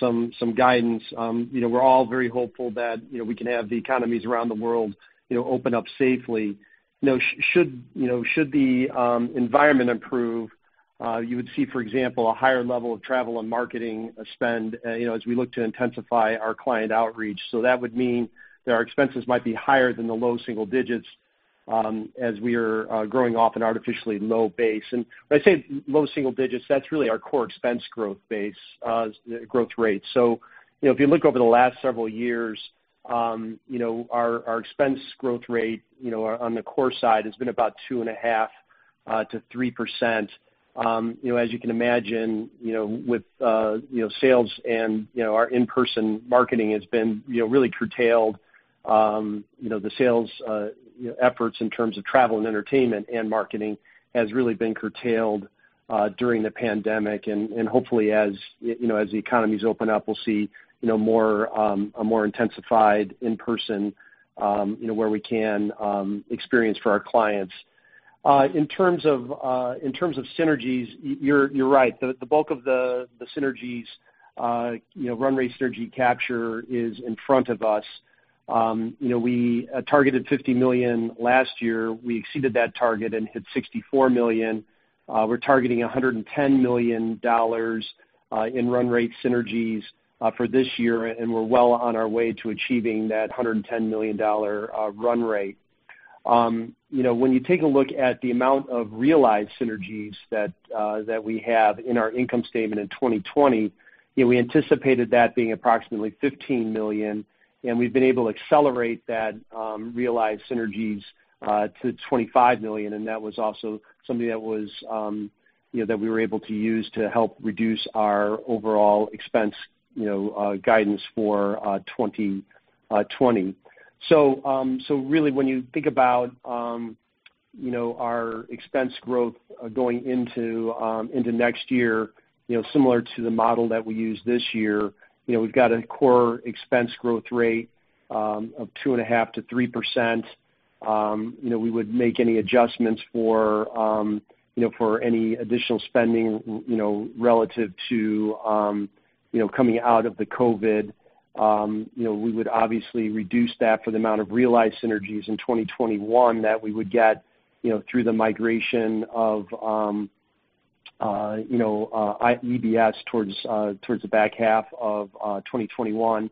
some guidance. We're all very hopeful that we can have the economies around the world open up safely. Should the environment improve, you would see, for example, a higher level of travel and marketing spend as we look to intensify our client outreach. That would mean that our expenses might be higher than the low single digits as we are growing off an artificially low base. When I say low single digits, that's really our core expense growth rate. If you look over the last several years, our expense growth rate on the core side has been about two and a half to 3%. As you can imagine, with sales and our in-person marketing has been really curtailed. The sales efforts in terms of travel and entertainment and marketing has really been curtailed during the pandemic. Hopefully, as the economies open up, we'll see a more intensified in-person where we can experience for our clients. In terms of synergies, you're right. The bulk of the synergies, run rate synergy capture is in front of us. We targeted $50 million last year. We exceeded that target and hit $64 million. We're targeting $110 million in run rate synergies for this year. We're well on our way to achieving that $110 million run rate. When you take a look at the amount of realized synergies that we have in our income statement in 2020, we anticipated that being approximately $15 million. We've been able to accelerate that realized synergies to $25 million. That was also something that we were able to use to help reduce our overall expense guidance for 2020. Really when you think about our expense growth going into next year, similar to the model that we used this year, we've got a core expense growth rate of 2.5%-3%. We would make any adjustments for any additional spending relative to coming out of the COVID-19. We would obviously reduce that for the amount of realized synergies in 2021 that we would get through the migration of EBS towards the back half of 2021.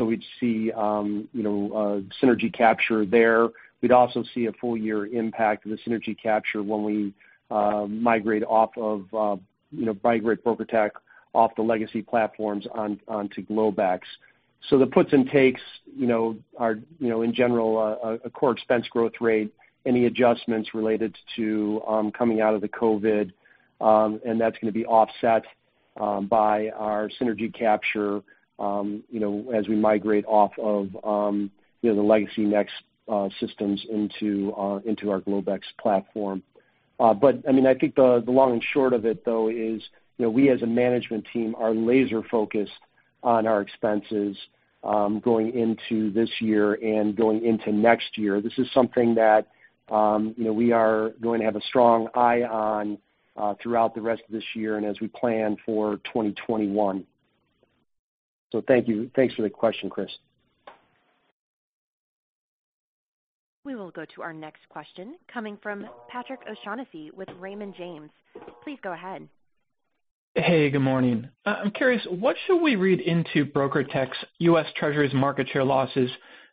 We'd see synergy capture there. We'd also see a full-year impact of the synergy capture when we migrate BrokerTec off the legacy platforms onto Globex. The puts and takes are in general a core expense growth rate, any adjustments related to coming out of the COVID, and that's going to be offset by our synergy capture as we migrate off of the legacy NEX systems into our Globex platform. I think the long and short of it though is we as a management team are laser-focused on our expenses going into this year and going into next year. This is something that we are going to have a strong eye on throughout the rest of this year and as we plan for 2021. Thank you. Thanks for the question, Chris. We will go to our next question coming from Patrick O'Shaughnessy with Raymond James. Please go ahead. Hey, good morning. I'm curious, what should we read into BrokerTec's U.S. Treasuries market share losses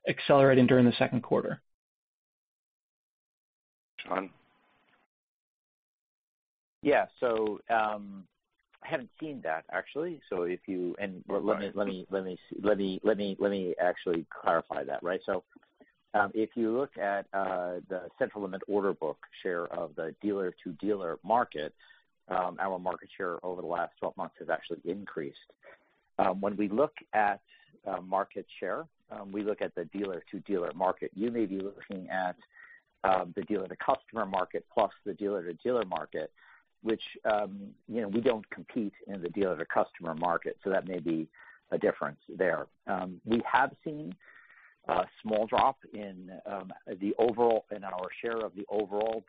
accelerating during the second quarter? John. Yeah. I haven't seen that, actually. Let me actually clarify that. If you look at the central limit order book share of the dealer-to-dealer market, our market share over the last 12 months has actually increased When we look at market share, we look at the dealer-to-dealer market. You may be looking at the dealer-to-customer market plus the dealer-to-dealer market, which we don't compete in the dealer-to-customer market, so that may be a difference there. We have seen a small drop in our share of the overall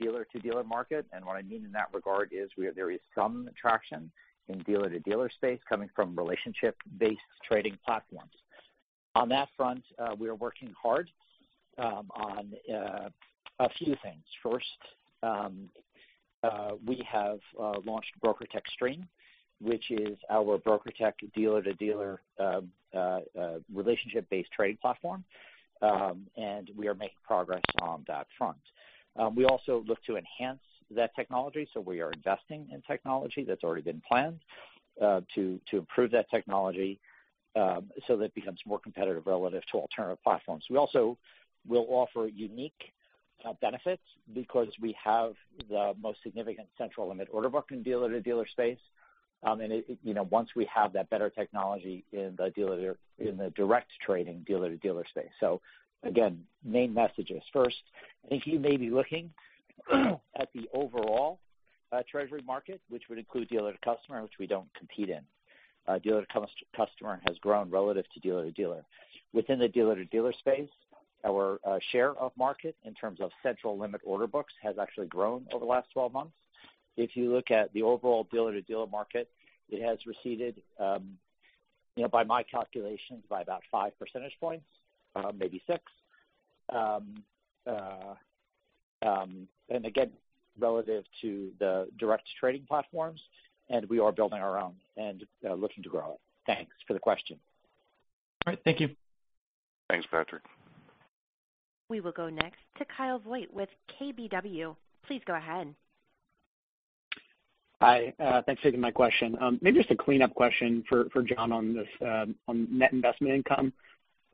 dealer-to-dealer market. What I mean in that regard is there is some traction in dealer-to-dealer space coming from relationship-based trading platforms. On that front, we are working hard on a few things. First, we have launched BrokerTec Stream, which is our BrokerTec dealer-to-dealer relationship-based trading platform, and we are making progress on that front. We also look to enhance that technology. We are investing in technology that's already been planned to improve that technology so that it becomes more competitive relative to alternative platforms. We also will offer unique benefits because we have the most significant central limit order book in dealer-to-dealer space. Once we have that better technology in the direct trading dealer-to-dealer space. Again, main messages. First, I think you may be looking at the overall treasury market, which would include dealer-to-customer, which we don't compete in. Dealer-to-customer has grown relative to dealer-to-dealer. Within the dealer-to-dealer space, our share of market in terms of central limit order books has actually grown over the last 12 months. If you look at the overall dealer-to-dealer market, it has receded, by my calculations, by about five percentage points, maybe six. Again, relative to the direct trading platforms, and we are building our own and looking to grow it. Thanks for the question. All right. Thank you. Thanks, Patrick. We will go next to Kyle Voigt with KBW. Please go ahead. Hi. Thanks for taking my question. Maybe just a cleanup question for John on net investment income.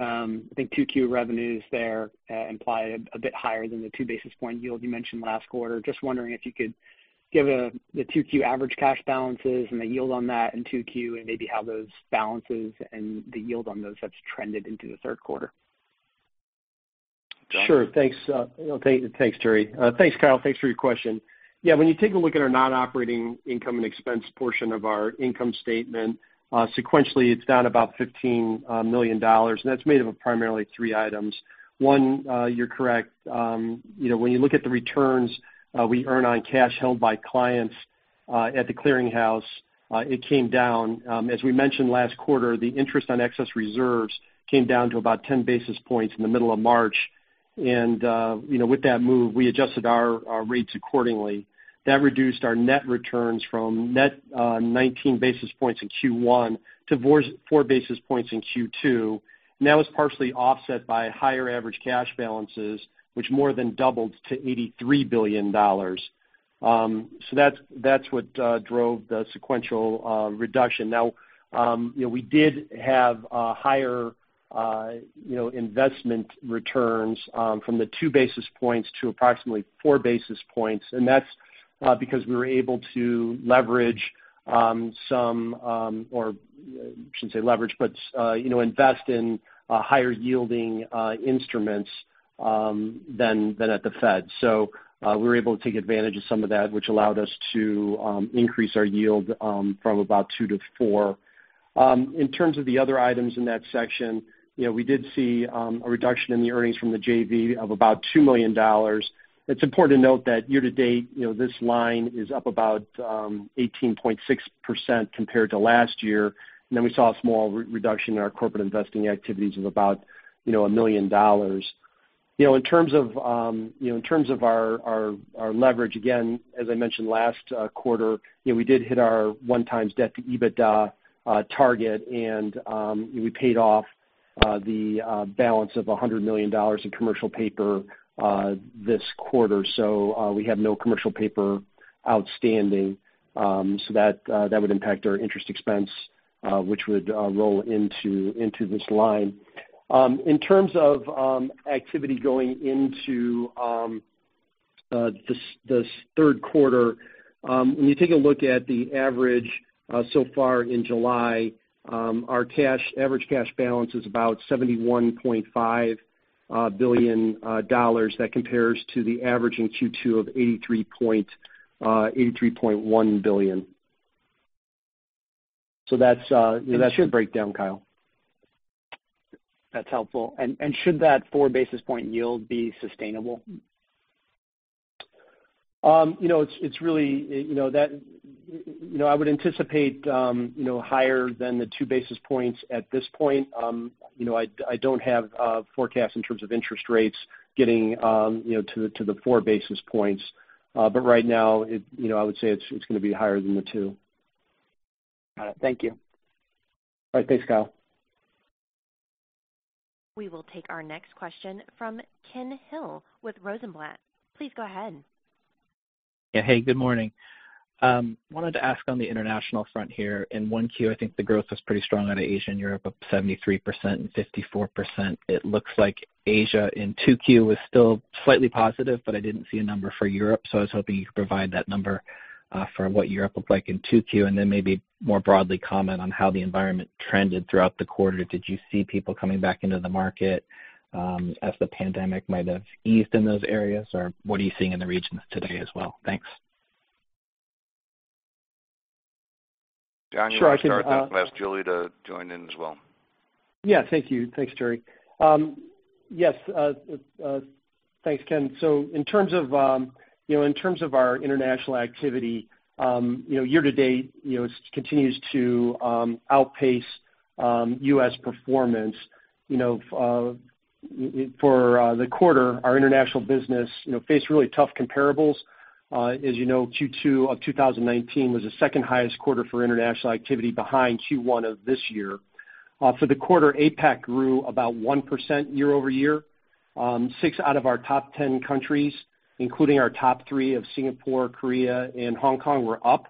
I think 2Q revenues there implied a bit higher than the two basis point yield you mentioned last quarter. Just wondering if you could give the 2Q average cash balances and the yield on that in 2Q and maybe how those balances and the yield on those that's trended into the third quarter. John? Sure. Thanks, Terry. Thanks, Kyle. Thanks for your question. Yeah, when you take a look at our non-operating income and expense portion of our income statement, sequentially it's down about $15 million. That's made up of primarily three items. One, you're correct. When you look at the returns we earn on cash held by clients at the clearinghouse, it came down. As we mentioned last quarter, the interest on excess reserves came down to about 10 basis points in the middle of March. With that move, we adjusted our rates accordingly. That reduced our net returns from net 19 basis points in Q1 to four basis points in Q2. That was partially offset by higher average cash balances, which more than doubled to $83 billion. That's what drove the sequential reduction. We did have higher investment returns from the two basis points to approximately four basis points, that's because we were able to leverage, but invest in higher yielding instruments than at the Fed. We were able to take advantage of some of that, which allowed us to increase our yield from about two to four. In terms of the other items in that section, we did see a reduction in the earnings from the JV of about $2 million. It's important to note that year to date, this line is up about 18.6% compared to last year. We saw a small reduction in our corporate investing activities of about $1 million. In terms of our leverage, again, as I mentioned last quarter, we did hit our one times debt to EBITDA target, and we paid off the balance of $100 million in commercial paper this quarter. We have no commercial paper outstanding. That would impact our interest expense, which would roll into this line. In terms of activity going into the third quarter, when you take a look at the average so far in July, our average cash balance is about $71.5 billion. That compares to the average in Q2 of $83.1 billion. That's the breakdown, Kyle. That's helpful. Should that four basis point yield be sustainable? I would anticipate higher than the two basis points at this point. I don't have forecasts in terms of interest rates getting to the four basis points. Right now, I would say it's going to be higher than the two. Got it. Thank you. All right. Thanks, Kyle. We will take our next question from Ken Hill with Rosenblatt. Please go ahead. Yeah. Hey, good morning. Wanted to ask on the international front here. In one Q, I think the growth was pretty strong out of Asia and Europe, up 73% and 54%. It looks like Asia in two Q was still slightly positive, but I didn't see a number for Europe, so I was hoping you could provide that number. For what Europe looked like in two Q, and then maybe more broadly comment on how the environment trended throughout the quarter. Did you see people coming back into the market, as the pandemic might have eased in those areas? What are you seeing in the regions today as well? Thanks. John, you want to start? I'll ask Julie to join in as well. Yeah. Thank you. Thanks, Terry. Yes, thanks, Ken. In terms of our international activity, year to date, continues to outpace U.S. performance. For the quarter, our international business faced really tough comparables. As you know, Q2 of 2019 was the second highest quarter for international activity behind Q1 of this year. For the quarter, APAC grew about 1% year-over-year. Six out of our top 10 countries, including our top three of Singapore, Korea, and Hong Kong were up,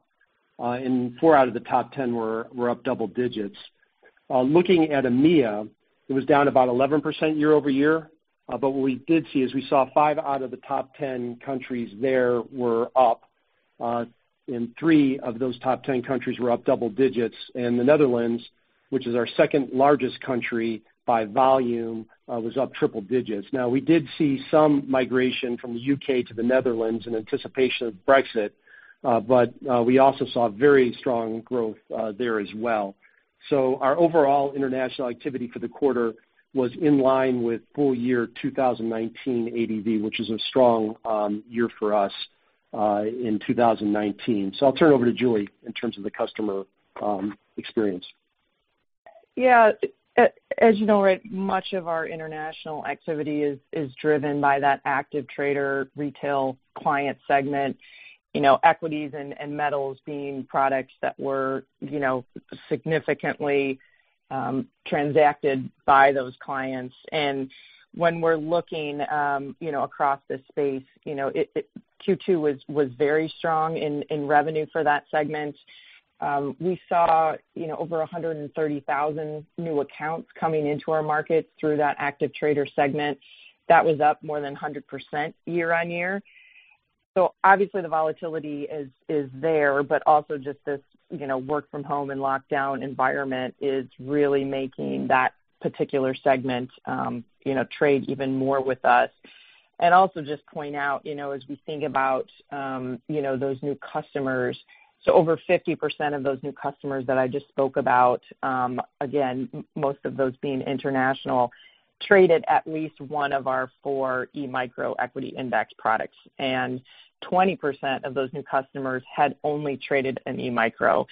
and four out of the top 10 were up double digits. Looking at EMEA, it was down about 11% year-over-year. What we did see is we saw five out of the top 10 countries there were up, and three of those top 10 countries were up double-digits. The Netherlands, which is our second-largest country by volume, was up triple digits. We did see some migration from the U.K. to the Netherlands in anticipation of Brexit, but we also saw very strong growth there as well. Our overall international activity for the quarter was in line with full year 2019 ADV, which is a strong year for us, in 2019. I'll turn it over to Julie in terms of the customer experience. Yeah. As you know, right, much of our international activity is driven by that active trader retail client segment. Equities and metals being products that were significantly transacted by those clients. When we're looking across this space, Q2 was very strong in revenue for that segment. We saw over 130,000 new accounts coming into our markets through that active trader segment. That was up more than 100% year-on-year. Obviously the volatility is there, but also just this work-from-home and lockdown environment is really making that particular segment trade even more with us. Also just point out as we think about those new customers, over 50% of those new customers that I just spoke about, again, most of those being international, traded at least one of our four E-micro equity index products. 20% of those new customers had only traded an E-micro.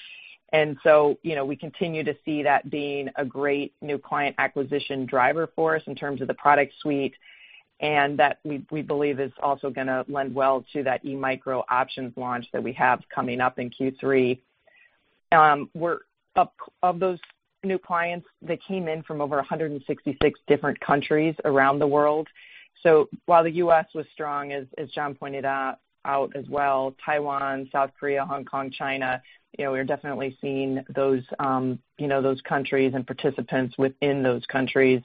We continue to see that being a great new client acquisition driver for us in terms of the product suite, and that we believe is also going to lend well to that E-micro options launch that we have coming up in Q3. Of those new clients, they came in from over 166 different countries around the world. While the U.S. was strong, as John pointed out as well, Taiwan, South Korea, Hong Kong, China, we are definitely seeing those countries and participants within those countries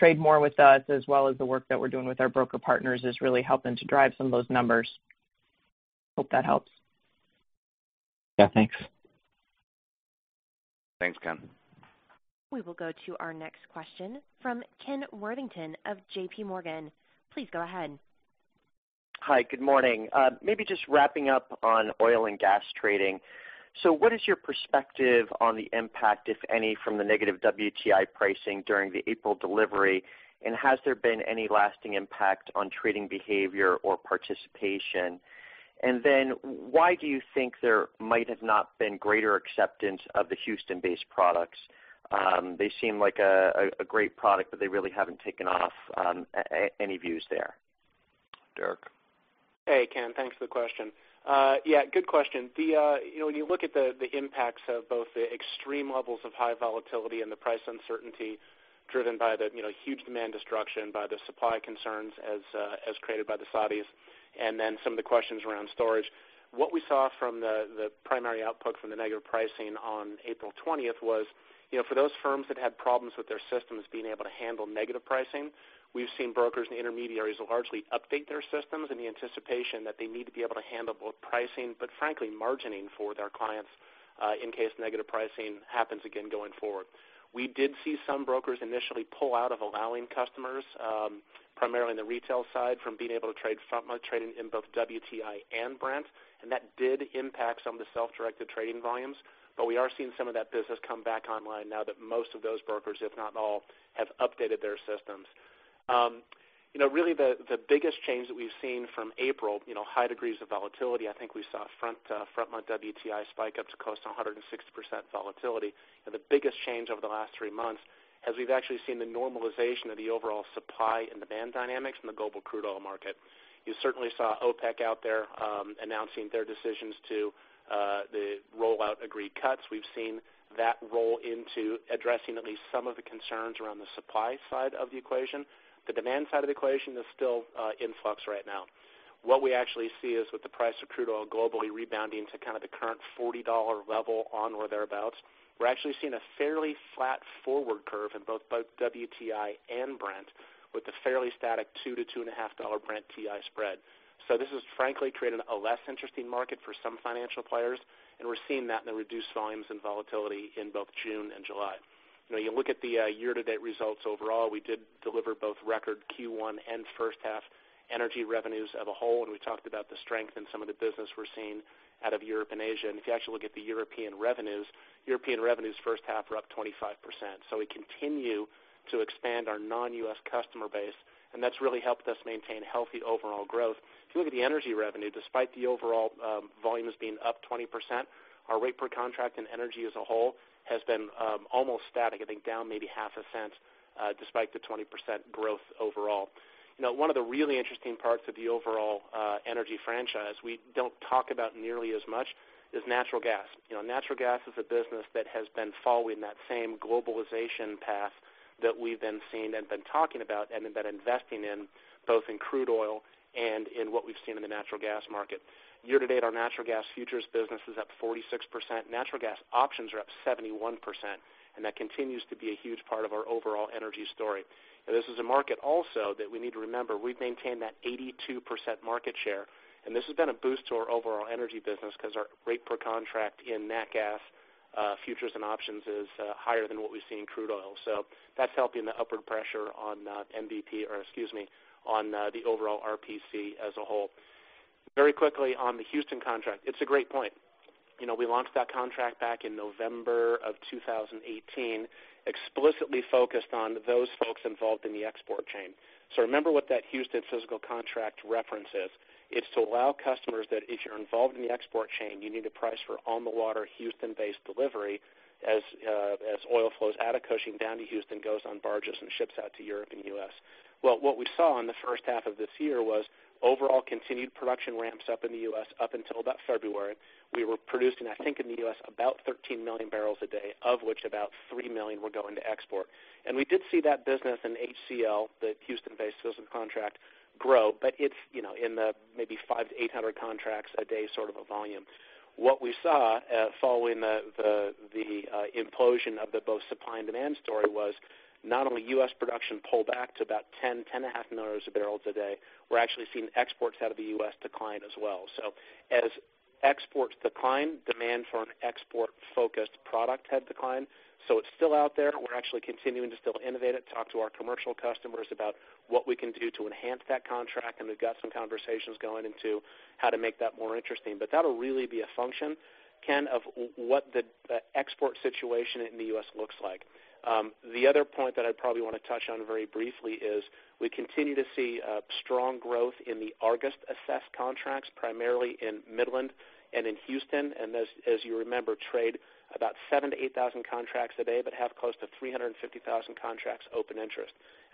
trade more with us, as well as the work that we're doing with our broker partners is really helping to drive some of those numbers. Hope that helps. Yeah, thanks. Thanks, Ken. We will go to our next question from Ken Worthington of JPMorgan. Please go ahead. Hi, good morning. Maybe just wrapping up on oil and gas trading. What is your perspective on the impact, if any, from the negative WTI pricing during the April delivery, and has there been any lasting impact on trading behavior or participation? Why do you think there might have not been greater acceptance of the Houston-based products? They seem like a great product, but they really haven't taken off. Any views there? Derek. Hey, Ken. Thanks for the question. Yeah, good question. When you look at the impacts of both the extreme levels of high volatility and the price uncertainty driven by the huge demand destruction, by the supply concerns as created by the Saudis, and then some of the questions around storage. What we saw from the primary output from the negative pricing on April 20th was, for those firms that had problems with their systems being able to handle negative pricing, we've seen brokers and intermediaries largely update their systems in the anticipation that they need to be able to handle both pricing, but frankly, margining for their clients, in case negative pricing happens again going forward. We did see some brokers initially pull out of allowing customers, primarily in the retail side, from being able to trade front-month trade in both WTI and Brent. That did impact some of the self-directed trading volumes. We are seeing some of that business come back online now that most of those brokers, if not all, have updated their systems. Really the biggest change that we've seen from April, high degrees of volatility, I think we saw front-month WTI spike up to close to 160% volatility. The biggest change over the last three months is we've actually seen the normalization of the overall supply and demand dynamics in the global crude oil market. You certainly saw OPEC out there, announcing their decisions to the rollout agreed cuts. We've seen that roll into addressing at least some of the concerns around the supply side of the equation. The demand side of the equation is still in flux right now. What we actually see is with the price of crude oil globally rebounding to kind of the current $40 level or thereabouts, we're actually seeing a fairly flat forward curve in both WTI and Brent, with a fairly static $2-$2.5 Brent-WTI spread. This has frankly created a less interesting market for some financial players, and we're seeing that in the reduced volumes and volatility in both June and July. You look at the year-to-date results overall, we did deliver both record Q1 and first half energy revenues as a whole. We talked about the strength in some of the business we're seeing out of Europe and Asia. If you actually look at the European revenues, European revenues first half are up 25%. We continue to expand our non-U.S. customer base, and that's really helped us maintain healthy overall growth. If you look at the energy revenue, despite the overall volumes being up 20%, our rate per contract in energy as a whole has been almost static, I think down maybe $0.005, despite the 20% growth overall. One of the really interesting parts of the overall energy franchise we don't talk about nearly as much is natural gas. Natural gas is a business that has been following that same globalization path that we've been seeing and been talking about and been investing in, both in crude oil and in what we've seen in the natural gas market. Year to date, our natural gas futures business is up 46%. Natural gas options are up 71%, and that continues to be a huge part of our overall energy story. This is a market also that we need to remember, we've maintained that 82% market share, and this has been a boost to our overall energy business because our rate per contract in nat gas futures and options is higher than what we see in crude oil. That's helping the upward pressure on the overall RPC as a whole. Very quickly on the Houston contract, it's a great point. We launched that contract back in November of 2018, explicitly focused on those folks involved in the export chain. Remember what that Houston physical contract reference is. It's to allow customers that if you're involved in the export chain, you need to price for on-the-water, Houston-based delivery as oil flows out of Cushing down to Houston, goes on barges and ships out to Europe and U.S. Well, what we saw in the first half of this year was overall continued production ramps up in the U.S. up until about February. We were producing, I think in the U.S., about 13 million bbls a day, of which about 3 million were going to export. We did see that business in HCL, the Houston-based physical contract, grow, but it's in the maybe 500 to 800 contracts a day sort of a volume. What we saw following the implosion of the both supply and demand story was not only U.S. production pull back to about 10.5 million bbls a day, we're actually seeing exports out of the U.S. decline as well. As exports decline, demand for an export-focused product had declined. It's still out there. We're actually continuing to still innovate it, talk to our commercial customers about what we can do to enhance that contract, and we've got some conversations going into how to make that more interesting. That'll really be a function, Ken, of what the export situation in the U.S. looks like. The other point that I probably want to touch on very briefly is we continue to see strong growth in the Argus assessed contracts, primarily in Midland and in Houston, and as you remember, trade about 7,000 to 8,000 contracts a day, but have close to 350,000 contracts open interest.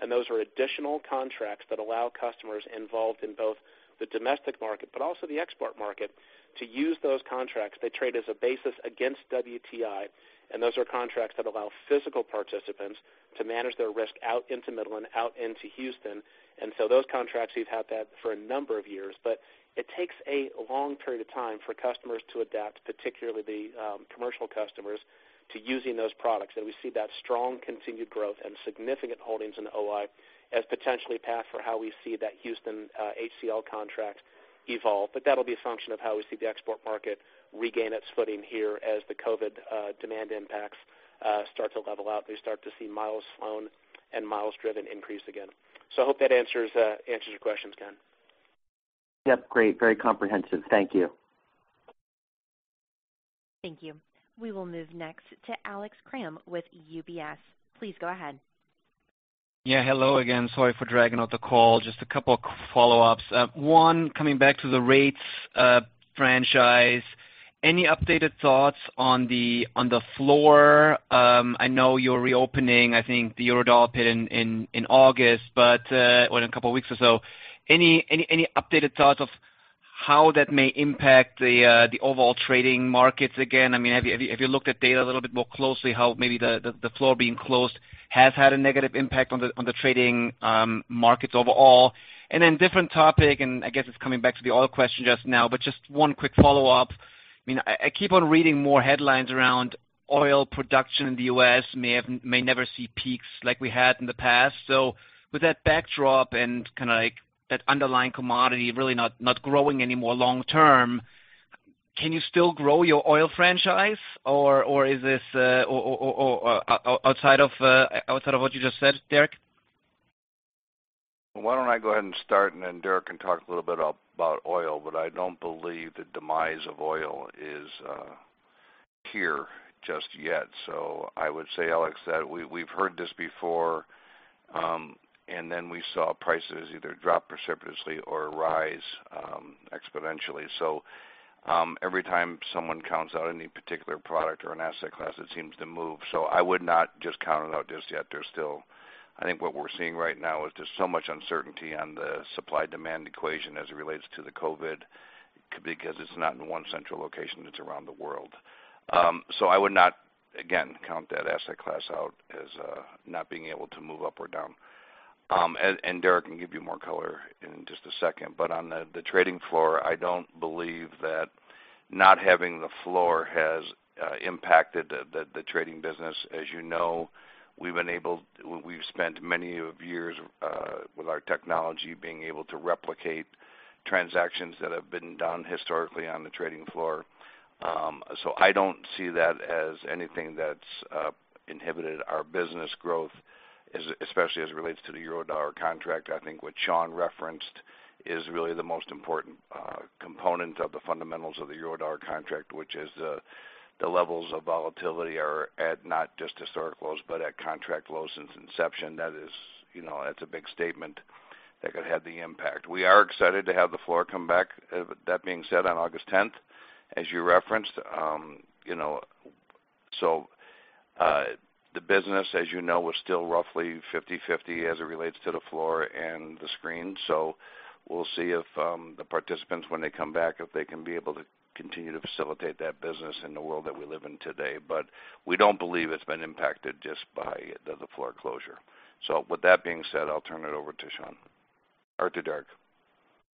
Those are additional contracts that allow customers involved in both the domestic market, but also the export market, to use those contracts. They trade as a basis against WTI, and those are contracts that allow physical participants to manage their risk out into Midland, out into Houston. Those contracts, we've had that for a number of years. It takes a long period of time for customers to adapt, particularly the commercial customers, to using those products. We see that strong continued growth and significant holdings in OI as potentially path for how we see that Houston HCL contract evolve. That'll be a function of how we see the export market regain its footing here as the COVID demand impacts start to level out, we start to see miles flown and miles driven increase again. I hope that answers your questions, Ken. Yep, great. Very comprehensive. Thank you. Thank you. We will move next to Alex Kramm with UBS. Please go ahead. Yeah, hello again. Sorry for dragging out the call. Just a couple of follow-ups. One, coming back to the rates franchise, any updated thoughts on the floor? I know you're reopening, I think the Eurodollar pit in August or in a couple of weeks or so. Any updated thoughts of how that may impact the overall trading markets again? Have you looked at data a little bit more closely how maybe the floor being closed has had a negative impact on the trading markets overall? Different topic, and I guess it's coming back to the oil question just now, but just one quick follow-up. I keep on reading more headlines around oil production in the U.S. may never see peaks like we had in the past. With that backdrop and that underlying commodity really not growing anymore long term, can you still grow your oil franchise? Is this outside of what you just said, Derek? Why don't I go ahead and start, and then Derek can talk a little bit about oil, but I don't believe the demise of oil is here just yet. I would say, Alex, that we've heard this before, and then we saw prices either drop precipitously or rise exponentially. Every time someone counts out any particular product or an asset class, it seems to move. I would not just count it out just yet. I think what we're seeing right now is just so much uncertainty on the supply-demand equation as it relates to the COVID-19 because it's not in one central location, it's around the world. I would not, again, count that asset class out as not being able to move up or down. Derek can give you more color in just a second, but on the trading floor, I don't believe that not having the floor has impacted the trading business. As you know, we've spent many of years with our technology being able to replicate transactions that have been done historically on the trading floor. I don't see that as anything that's inhibited our business growth, especially as it relates to the Eurodollar contract. What Sean referenced is really the most important component of the fundamentals of the Eurodollar contract, which is the levels of volatility are at not just historic lows, but at contract lows since inception. That's a big statement that could have the impact. We are excited to have the floor come back, that being said, on August 10th, as you referenced. The business, as you know, was still roughly 50/50 as it relates to the floor and the screen. We'll see if the participants, when they come back, if they can be able to continue to facilitate that business in the world that we live in today. We don't believe it's been impacted just by the floor closure. With that being said, I'll turn it over to Sean or to Derek.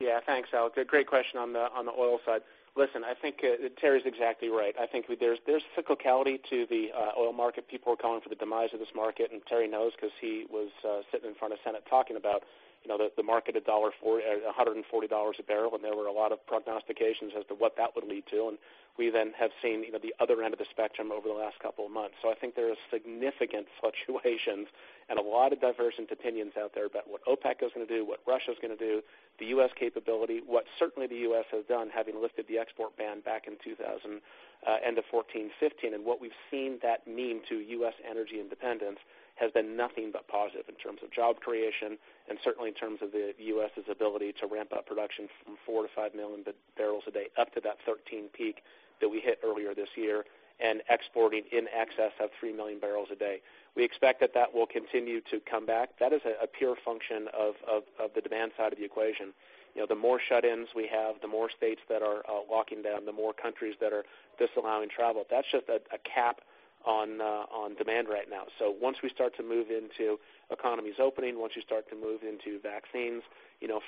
Yeah. Thanks, Alex. A great question on the oil side. Listen, I think Terry's exactly right. I think there's cyclicality to the oil market. People are calling for the demise of this market, Terry knows because he was sitting in front of Senate talking about the market at $140 a bbl when there were a lot of prognostications as to what that would lead to, we then have seen the other end of the spectrum over the last couple of months. I think there is significant fluctuations and a lot of divergent opinions out there about what OPEC is going to do, what Russia's going to do, the U.S. capability, what certainly the U.S. has done, having lifted the export ban back in 2000, end of 2014, 2015. What we've seen that mean to U.S. energy independence has been nothing but positive in terms of job creation and certainly in terms of the U.S.'s ability to ramp up production from four to five million bbls a day up to that 13 peak that we hit earlier this year and exporting in excess of three million bbls a day. We expect that that will continue to come back. That is a pure function of the demand side of the equation. The more shut-ins we have, the more states that are locking down, the more countries that are disallowing travel. That's just a cap on demand right now. Once we start to move into economies opening, once you start to move into vaccines,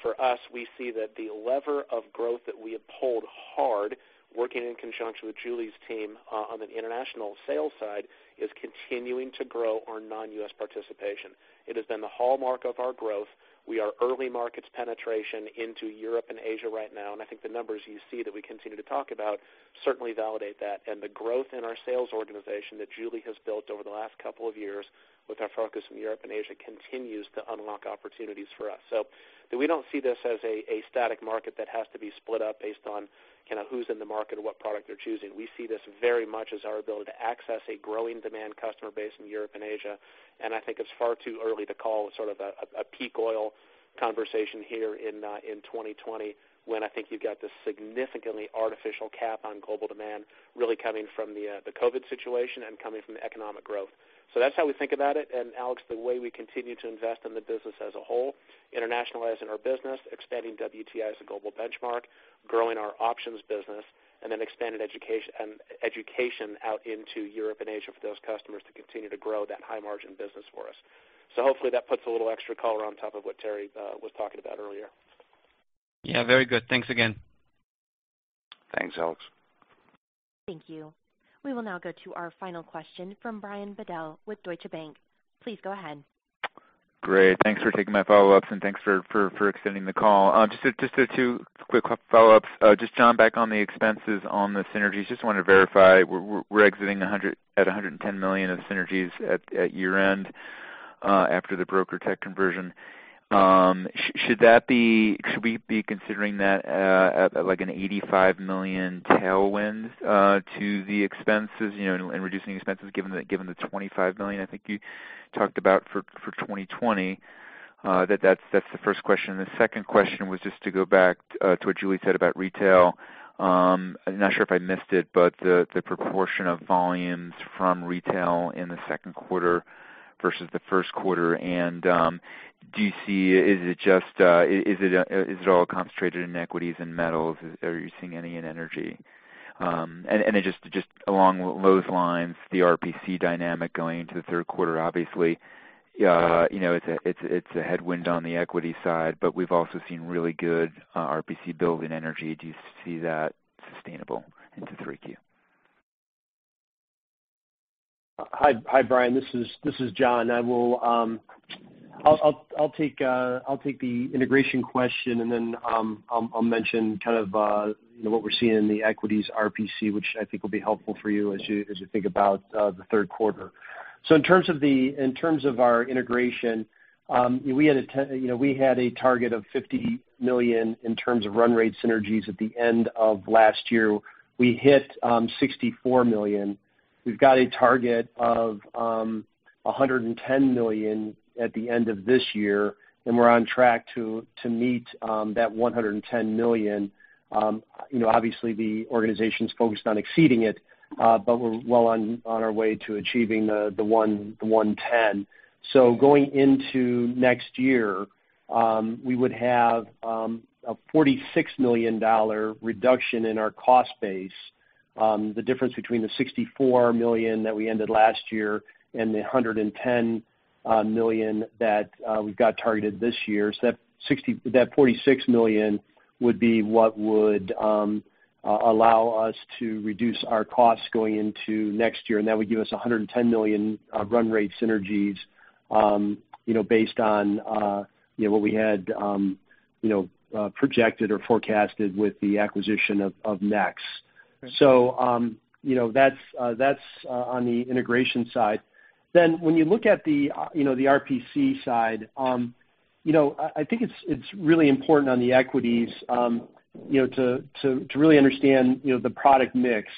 for us, we see that the lever of growth that we have pulled hard, working in conjunction with Julie's team on the international sales side, is continuing to grow our non-U.S. participation. It has been the hallmark of our growth. We are early markets penetration into Europe and Asia right now, and I think the numbers you see that we continue to talk about certainly validate that. The growth in our sales organization that Julie has built over the last couple of years with our focus in Europe and Asia continues to unlock opportunities for us. We don't see this as a static market that has to be split up based on who's in the market and what product they're choosing. We see this very much as our ability to access a growing demand customer base in Europe and Asia. I think it's far too early to call a peak oil conversation here in 2020 when I think you've got this significantly artificial cap on global demand really coming from the COVID situation and coming from the economic growth. That's how we think about it, Alex, the way we continue to invest in the business as a whole, internationalizing our business, expanding WTI as a global benchmark, growing our options business, and then expanded education out into Europe and Asia for those customers to continue to grow that high margin business for us. Hopefully that puts a little extra color on top of what Terry was talking about earlier. Yeah, very good. Thanks again. Thanks, Alex. Thank you. We will now go to our final question from Brian Bedell with Deutsche Bank. Please go ahead. Great. Thanks for taking my follow-ups and thanks for extending the call. Just two quick follow-ups. Just John, back on the expenses on the synergies, just wanted to verify, we're exiting at $110 million of synergies at year-end after the BrokerTec conversion. Should we be considering that at like an $85 million tailwind to the expenses, reducing expenses given the $25 million I think you talked about for 2020? That's the first question. The second question was just to go back to what Julie said about retail. I'm not sure if I missed it, the proportion of volumes from retail in the second quarter versus the first quarter, do you see, is it all concentrated in equities and metals? Are you seeing any in energy? Just along those lines, the RPC dynamic going into the third quarter, obviously, it's a headwind on the equity side, but we've also seen really good RPC build in energy. Do you see that sustainable into 3Q? Hi, Brian. This is John. I'll take the integration question, and then I'll mention what we're seeing in the equities RPC, which I think will be helpful for you as you think about the third quarter. In terms of our integration, we had a target of $50 million in terms of run rate synergies at the end of last year. We hit $64 million. We've got a target of $110 million at the end of this year, and we're on track to meet that $110 million. Obviously, the organization's focused on exceeding it, but we're well on our way to achieving the $110 million. Going into next year, we would have a $46 million reduction in our cost base The difference between the $64 million that we ended last year and the $110 million that we've got targeted this year. That $46 million would be what would allow us to reduce our costs going into next year, and that would give us $110 million run rate synergies based on what we had projected or forecasted with the acquisition of NEX. That's on the integration side. When you look at the RPC side, I think it's really important on the equities, to really understand the product mix.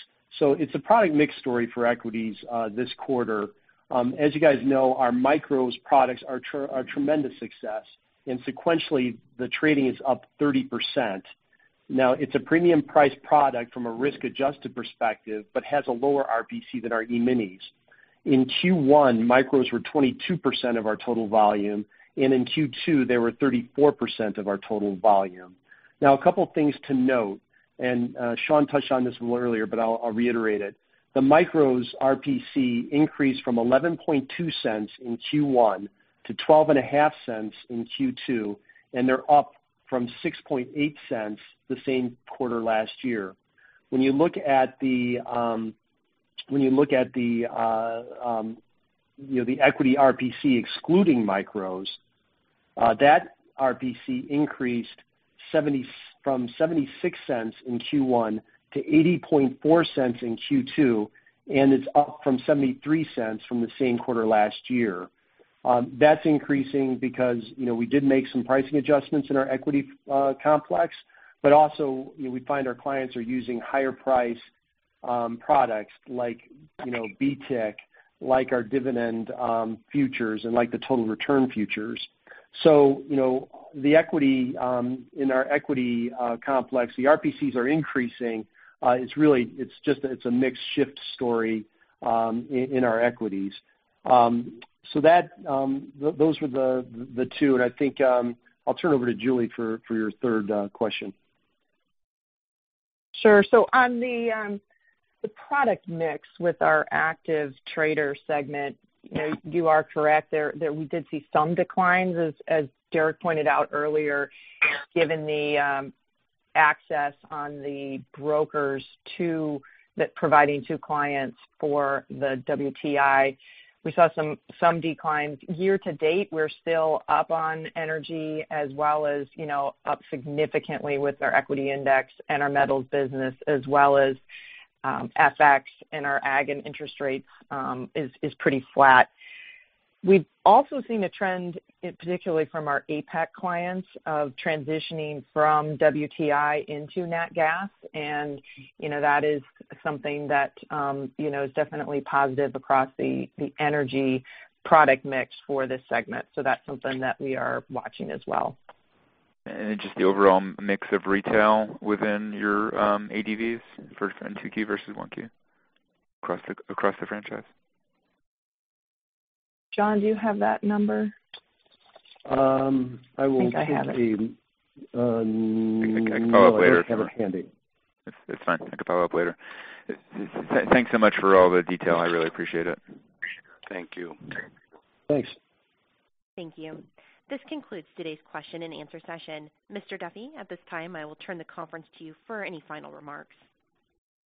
It's a product mix story for equities this quarter. As you guys know, our Micro E-minis are a tremendous success, and sequentially, the trading is up 30%. It's a premium price product from a risk-adjusted perspective, but has a lower RPC than our E-minis. In Q1, micros were 22% of our total volume, and in Q2, they were 34% of our total volume. Now, a couple things to note, and Sean touched on this a little earlier, but I'll reiterate it. The micros RPC increased from $0.112 in Q1 to $0.125 in Q2, and they're up from $0.068 the same quarter last year. When you look at the equity RPC excluding micros, that RPC increased from $0.76 in Q1 to $0.804 in Q2, and it's up from $0.73 from the same quarter last year. That's increasing because we did make some pricing adjustments in our equity complex, but also, we find our clients are using higher price products like BTIC, like our dividend futures, and like the total return futures. In our equity complex, the RPCs are increasing. It's a mix shift story in our equities. Those were the two, and I think I'll turn over to Julie for your third question. Sure. On the product mix with our active trader segment, you are correct there that we did see some declines, as Derek pointed out earlier, given the access on the brokers providing to clients for the WTI. We saw some declines. Year to date, we're still up on energy as well as up significantly with our equity index and our metals business, as well as FX and our ag and interest rates is pretty flat. We've also seen a trend, particularly from our APAC clients, of transitioning from WTI into natural gas, and that is something that is definitely positive across the energy product mix for this segment. That's something that we are watching as well. Just the overall mix of retail within your ADVs for Q2 versus Q1, across the franchise? John, do you have that number? I will get the- I think I have it. No, I don't have it handy. It's fine. I can follow up later. Thanks so much for all the detail. I really appreciate it. Thank you. Thanks. Thank you. This concludes today's question and answer session. Mr. Duffy, at this time, I will turn the conference to you for any final remarks.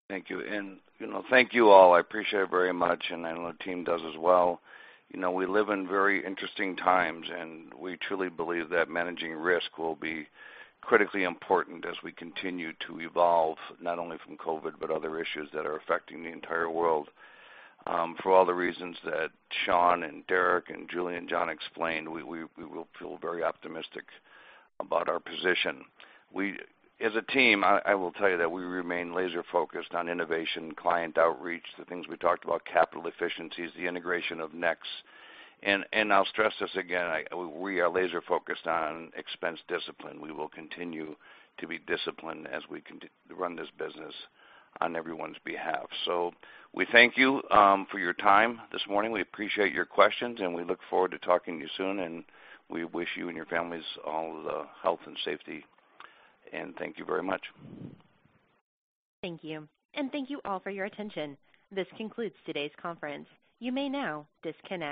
Thank you. Thank you all. I appreciate it very much, and I know the team does as well. We live in very interesting times, and we truly believe that managing risk will be critically important as we continue to evolve, not only from COVID-19, but other issues that are affecting the entire world. For all the reasons that Sean and Derek and Julie and John explained, we will feel very optimistic about our position. As a team, I will tell you that we remain laser-focused on innovation, client outreach, the things we talked about, capital efficiencies, the integration of NEX. I'll stress this again, we are laser-focused on expense discipline. We will continue to be disciplined as we run this business on everyone's behalf. We thank you for your time this morning. We appreciate your questions, and we look forward to talking to you soon, and we wish you and your families all the health and safety. Thank you very much. Thank you. Thank you all for your attention. This concludes today's conference. You may now disconnect.